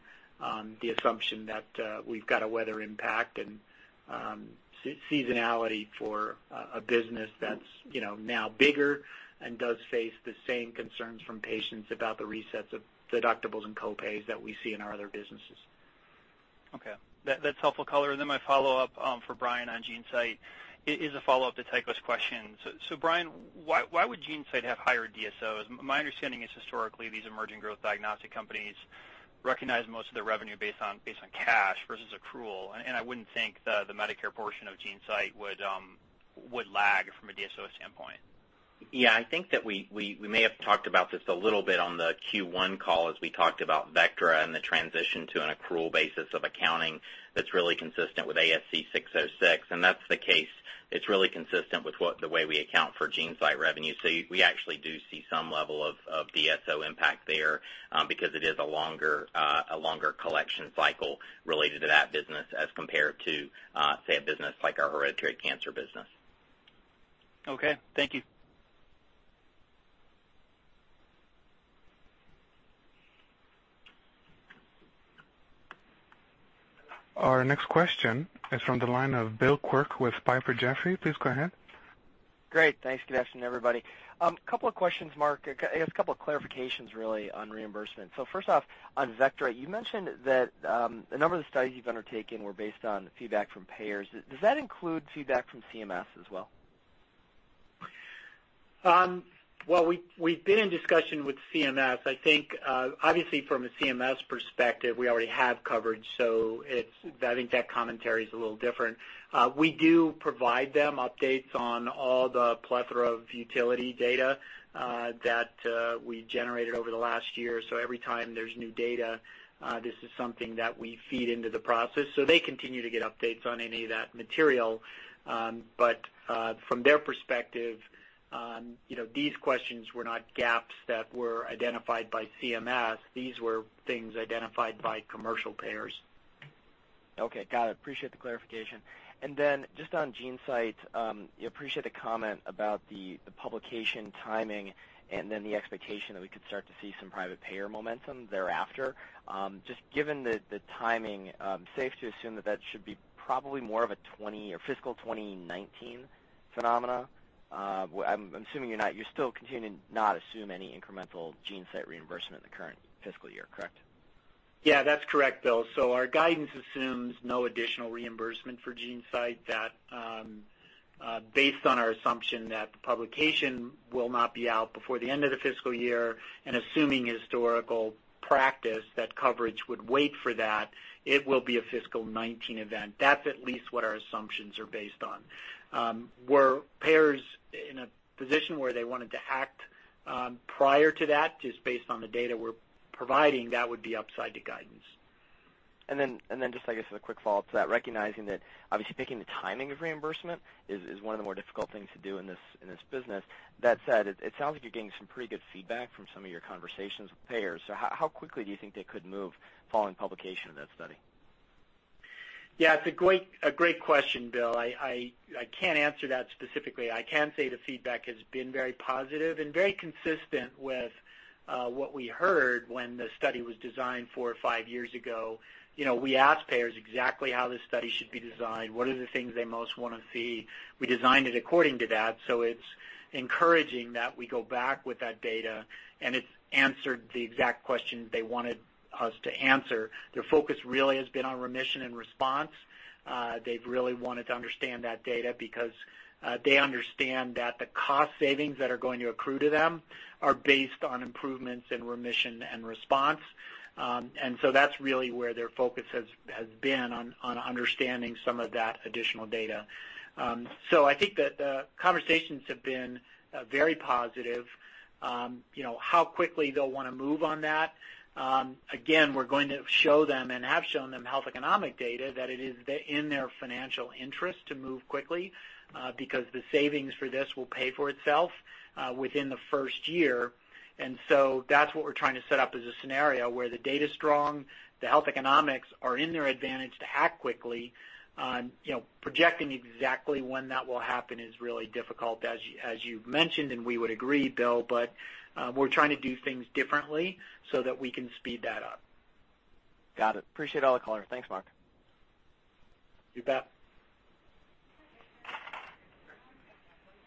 the assumption that we've got a weather impact and seasonality for a business that's now bigger and does face the same concerns from patients about the resets of deductibles and co-pays that we see in our other businesses. Okay. That's helpful color. My follow-up for Bryan on GeneSight is a follow-up to Tycho's question. Bryan, why would GeneSight have higher DSOs? My understanding is historically, these emerging growth diagnostic companies recognize most of their revenue based on cash versus accrual. I wouldn't think the Medicare portion of GeneSight would lag from a DSO standpoint. Yeah, I think that we may have talked about this a little bit on the Q1 call as we talked about Vectra and the transition to an accrual basis of accounting that's really consistent with ASC 606, and that's the case. It's really consistent with the way we account for GeneSight revenue. We actually do see some level of DSO impact there because it is a longer collection cycle related to that business as compared to, say, a business like our hereditary cancer business. Okay. Thank you. Our next question is from the line of Bill Quirk with Piper Jaffray. Please go ahead. Great. Thanks, Gleason, and everybody. Couple of questions, Mark. I guess a couple of clarifications really on reimbursement. First off, on Vectra, you mentioned that a number of the studies you've undertaken were based on feedback from payers. Does that include feedback from CMS as well? We've been in discussion with CMS. From a CMS perspective, we already have coverage, so that commentary is a little different. We do provide them updates on all the plethora of utility data that we generated over the last year. Every time there's new data, this is something that we feed into the process. They continue to get updates on any of that material. From their perspective, these questions were not gaps that were identified by CMS. These were things identified by commercial payers. Got it. Appreciate the clarification. On GeneSight, appreciate the comment about the publication timing and the expectation that we could start to see some private payer momentum thereafter. Given the timing, safe to assume that that should be probably more of a fiscal 2019 phenomena? I'm assuming you're still continuing to not assume any incremental GeneSight reimbursement in the current fiscal year, correct? That's correct, Bill. Our guidance assumes no additional reimbursement for GeneSight. That based on our assumption that the publication will not be out before the end of the fiscal year, and assuming historical practice, that coverage would wait for that, it will be a fiscal 2019 event. That's at least what our assumptions are based on. Were payers in a position where they wanted to act prior to that, based on the data we're providing, that would be upside to guidance. As a quick follow-up to that, recognizing that obviously picking the timing of reimbursement is one of the more difficult things to do in this business. That said, it sounds like you're getting some pretty good feedback from some of your conversations with payers. How quickly do you think they could move following publication of that study? Yeah, it's a great question, Bill. I can't answer that specifically. I can say the feedback has been very positive and very consistent with what we heard when the study was designed four or five years ago. We asked payers exactly how this study should be designed, what are the things they most want to see? We designed it according to that, so it's encouraging that we go back with that data, and it's answered the exact question they wanted us to answer. Their focus really has been on remission and response. They've really wanted to understand that data because they understand that the cost savings that are going to accrue to them are based on improvements in remission and response. That's really where their focus has been on understanding some of that additional data. I think that the conversations have been very positive. How quickly they'll want to move on that? Again, we're going to show them and have shown them health economic data that it is in their financial interest to move quickly because the savings for this will pay for itself within the first year. That's what we're trying to set up as a scenario where the data's strong, the health economics are in their advantage to act quickly. Projecting exactly when that will happen is really difficult, as you've mentioned, and we would agree, Bill, but we're trying to do things differently so that we can speed that up. Got it. Appreciate all the color. Thanks, Mark. You bet.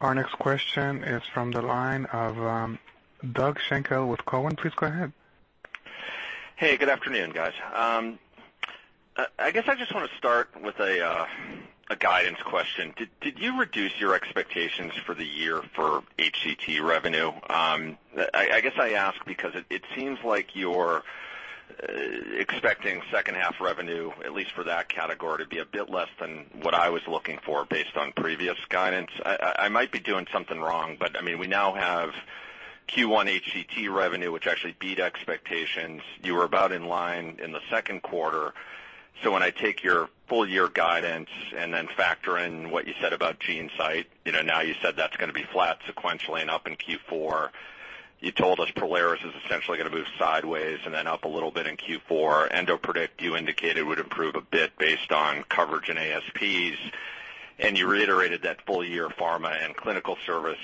Our next question is from the line of Doug Schenkel with Cowen. Please go ahead. Hey, good afternoon, guys. I guess I just want to start with a guidance question. Did you reduce your expectations for the year for HCT revenue? I guess I ask because it seems like you're expecting second half revenue, at least for that category, to be a bit less than what I was looking for based on previous guidance. I might be doing something wrong, but we now have Q1 HCT revenue, which actually beat expectations. You were about in line in the second quarter. When I take your full year guidance and then factor in what you said about GeneSight, now you said that's going to be flat sequentially and up in Q4. You told us Prolaris is essentially going to move sideways and then up a little bit in Q4. EndoPredict, you indicated, would improve a bit based on coverage and ASPs. You reiterated that full year pharma and clinical service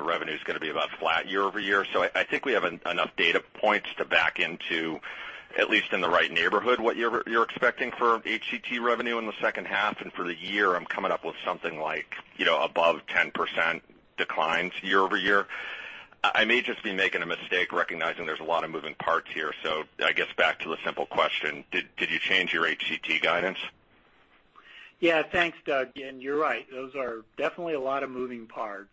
revenue is going to be about flat year-over-year. I think we have enough data points to back into, at least in the right neighborhood, what you're expecting for HCT revenue in the second half. For the year, I'm coming up with something like above 10% declines year-over-year. I may just be making a mistake recognizing there's a lot of moving parts here. I guess back to the simple question, did you change your HCT guidance? Yeah. Thanks, Doug. You're right, those are definitely a lot of moving parts.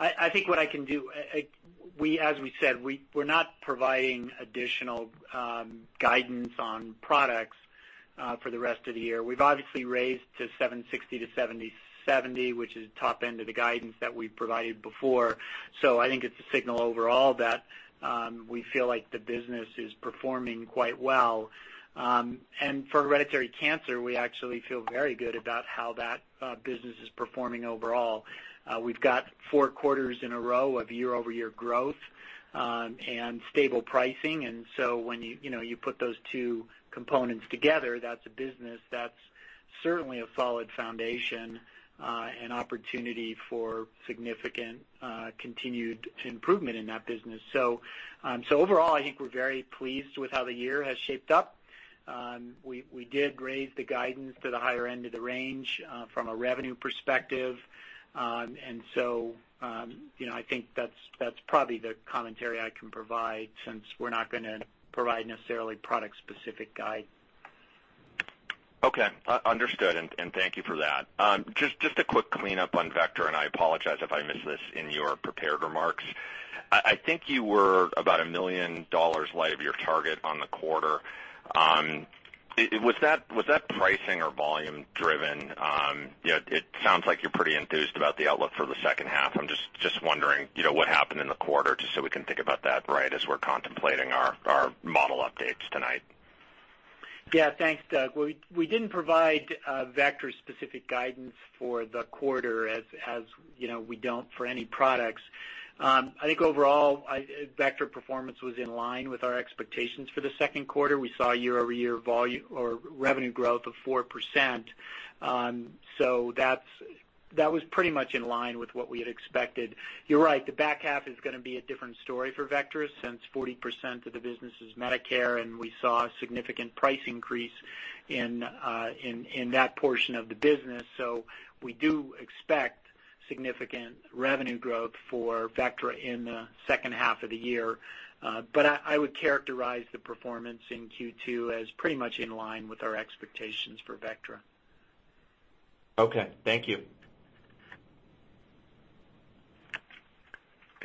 I think what I can do, as we said, we're not providing additional guidance on products for the rest of the year. We've obviously raised to $760-$770, which is top end of the guidance that we've provided before. I think it's a signal overall that we feel like the business is performing quite well. For hereditary cancer, we actually feel very good about how that business is performing overall. We've got four quarters in a row of year-over-year growth and stable pricing. When you put those two components together, that's a business that's certainly a solid foundation, an opportunity for significant continued improvement in that business. Overall, I think we're very pleased with how the year has shaped up. We did raise the guidance to the higher end of the range from a revenue perspective. I think that's probably the commentary I can provide since we're not going to provide necessarily product-specific guide. Okay. Understood, and thank you for that. Just a quick cleanup on Vectra, I apologize if I missed this in your prepared remarks. I think you were about $1 million light of your target on the quarter. Was that pricing or volume driven? It sounds like you're pretty enthused about the outlook for the second half. I'm just wondering what happened in the quarter, just so we can think about that right as we're contemplating our model updates tonight. Yeah, thanks, Doug. We didn't provide Vectra-specific guidance for the quarter as we don't for any products. I think overall, Vectra performance was in line with our expectations for the second quarter. We saw year-over-year revenue growth of 4%. That was pretty much in line with what we had expected. You're right, the back half is going to be a different story for Vectra since 40% of the business is Medicare, and we saw a significant price increase in that portion of the business. We do expect significant revenue growth for Vectra in the second half of the year. I would characterize the performance in Q2 as pretty much in line with our expectations for Vectra. Okay. Thank you.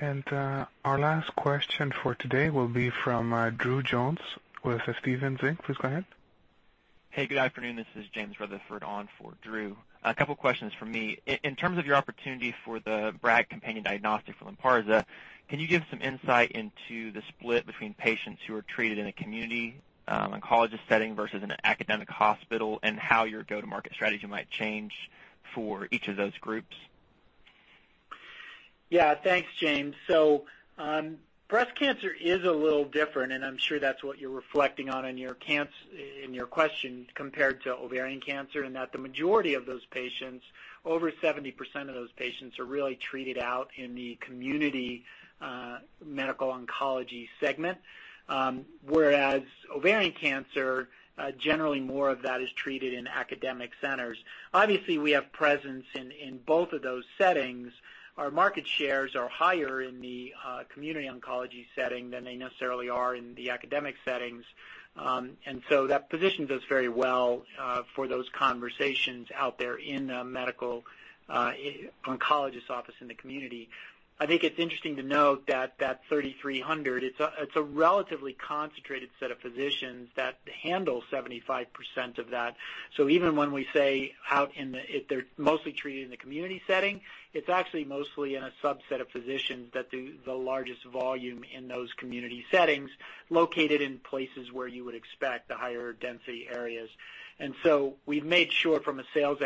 Our last question for today will be from Drew Jones with Stephens Inc. Please go ahead. Hey, good afternoon. This is James Rutherford on for Drew. A couple questions from me. In terms of your opportunity for the BRAC companion diagnostic for Lynparza, can you give some insight into the split between patients who are treated in a community oncology setting versus in an academic hospital, and how your go-to-market strategy might change for each of those groups? Yeah. Thanks, James. Breast cancer is a little different, and I'm sure that's what you're reflecting on in your question compared to ovarian cancer, in that the majority of those patients, over 70% of those patients, are really treated out in the community medical oncology segment. Whereas ovarian cancer, generally more of that is treated in academic centers. Obviously, we have presence in both of those settings. Our market shares are higher in the community oncology setting than they necessarily are in the academic settings. That positions us very well for those conversations out there in a medical oncologist office in the community. I think it's interesting to note that 3,300, it's a relatively concentrated set of physicians that handle 75% of that. Even when we say they're mostly treated in the community setting, it's actually mostly in a subset of physicians that do the largest volume in those community settings located in places where you would expect the higher density areas. We've made sure from a sales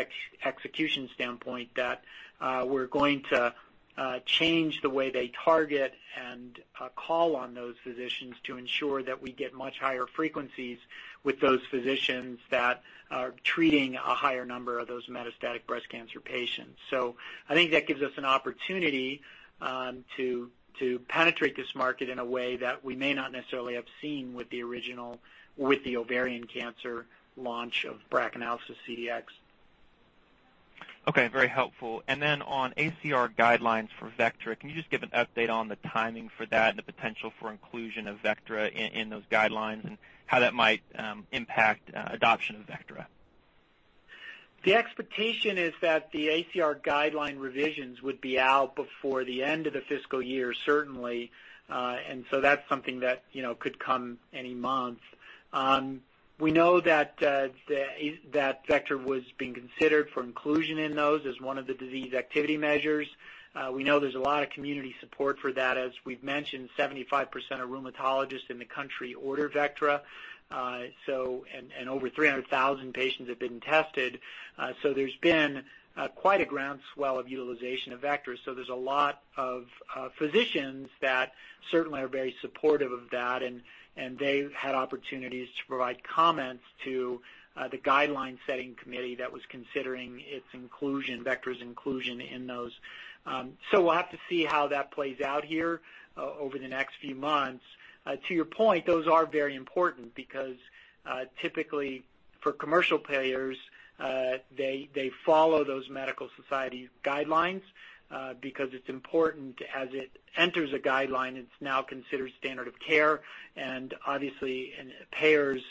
execution standpoint that we're going to change the way they target and call on those physicians to ensure that we get much higher frequencies with those physicians that are treating a higher number of those metastatic breast cancer patients. I think that gives us an opportunity to penetrate this market in a way that we may not necessarily have seen with the ovarian cancer launch of BRACAnalysis CDx. Okay, very helpful. On ACR guidelines for Vectra, can you just give an update on the timing for that and the potential for inclusion of Vectra in those guidelines and how that might impact adoption of Vectra? The expectation is that the ACR guideline revisions would be out before the end of the fiscal year, certainly. That's something that could come any month. We know that Vectra was being considered for inclusion in those as one of the disease activity measures. We know there's a lot of community support for that. As we've mentioned, 75% of rheumatologists in the country order Vectra, and over 300,000 patients have been tested. There's been quite a groundswell of utilization of Vectra. There's a lot of physicians that certainly are very supportive of that, and they've had opportunities to provide comments to the guideline setting committee that was considering its inclusion, Vectra's inclusion in those. We'll have to see how that plays out here over the next few months. To your point, those are very important because typically for commercial payers, they follow those medical society guidelines because it's important as it enters a guideline, it's now considered standard of care, and obviously payers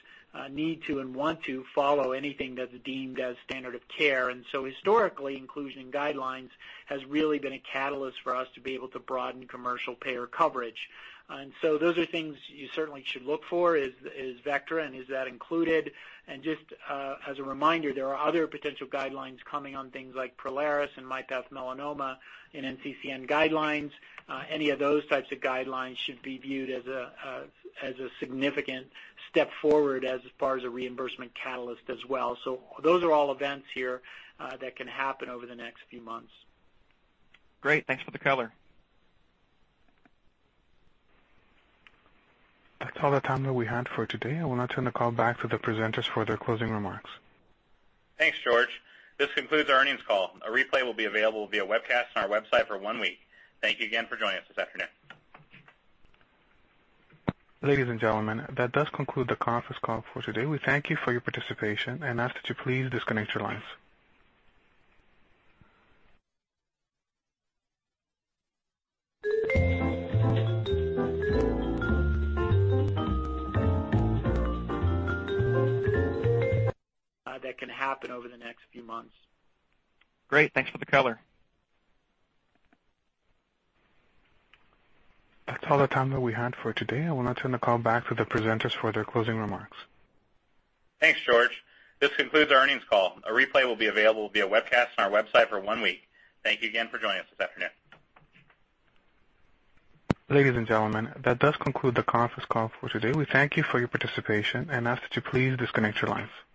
need to and want to follow anything that's deemed as standard of care. Historically, inclusion in guidelines has really been a catalyst for us to be able to broaden commercial payer coverage. Those are things you certainly should look for is Vectra and is that included. Just as a reminder, there are other potential guidelines coming on things like Prolaris and myPath Melanoma and NCCN guidelines. Any of those types of guidelines should be viewed as a significant step forward as far as a reimbursement catalyst as well. Those are all events here that can happen over the next few months. Great. Thanks for the color. That is all the time that we had for today. I will now turn the call back to the presenters for their closing remarks. Thanks, George. This concludes our earnings call. A replay will be available via webcast on our website for one week. Thank you again for joining us this afternoon. Ladies and gentlemen, that does conclude the conference call for today. We thank you for your participation and ask that you please disconnect your lines. That can happen over the next few months. Great. Thanks for the color. That's all the time that we had for today. I will now turn the call back to the presenters for their closing remarks. Thanks, George. This concludes our earnings call. A replay will be available via webcast on our website for one week. Thank you again for joining us this afternoon. Ladies and gentlemen, that does conclude the conference call for today. We thank you for your participation and ask that you please disconnect your lines.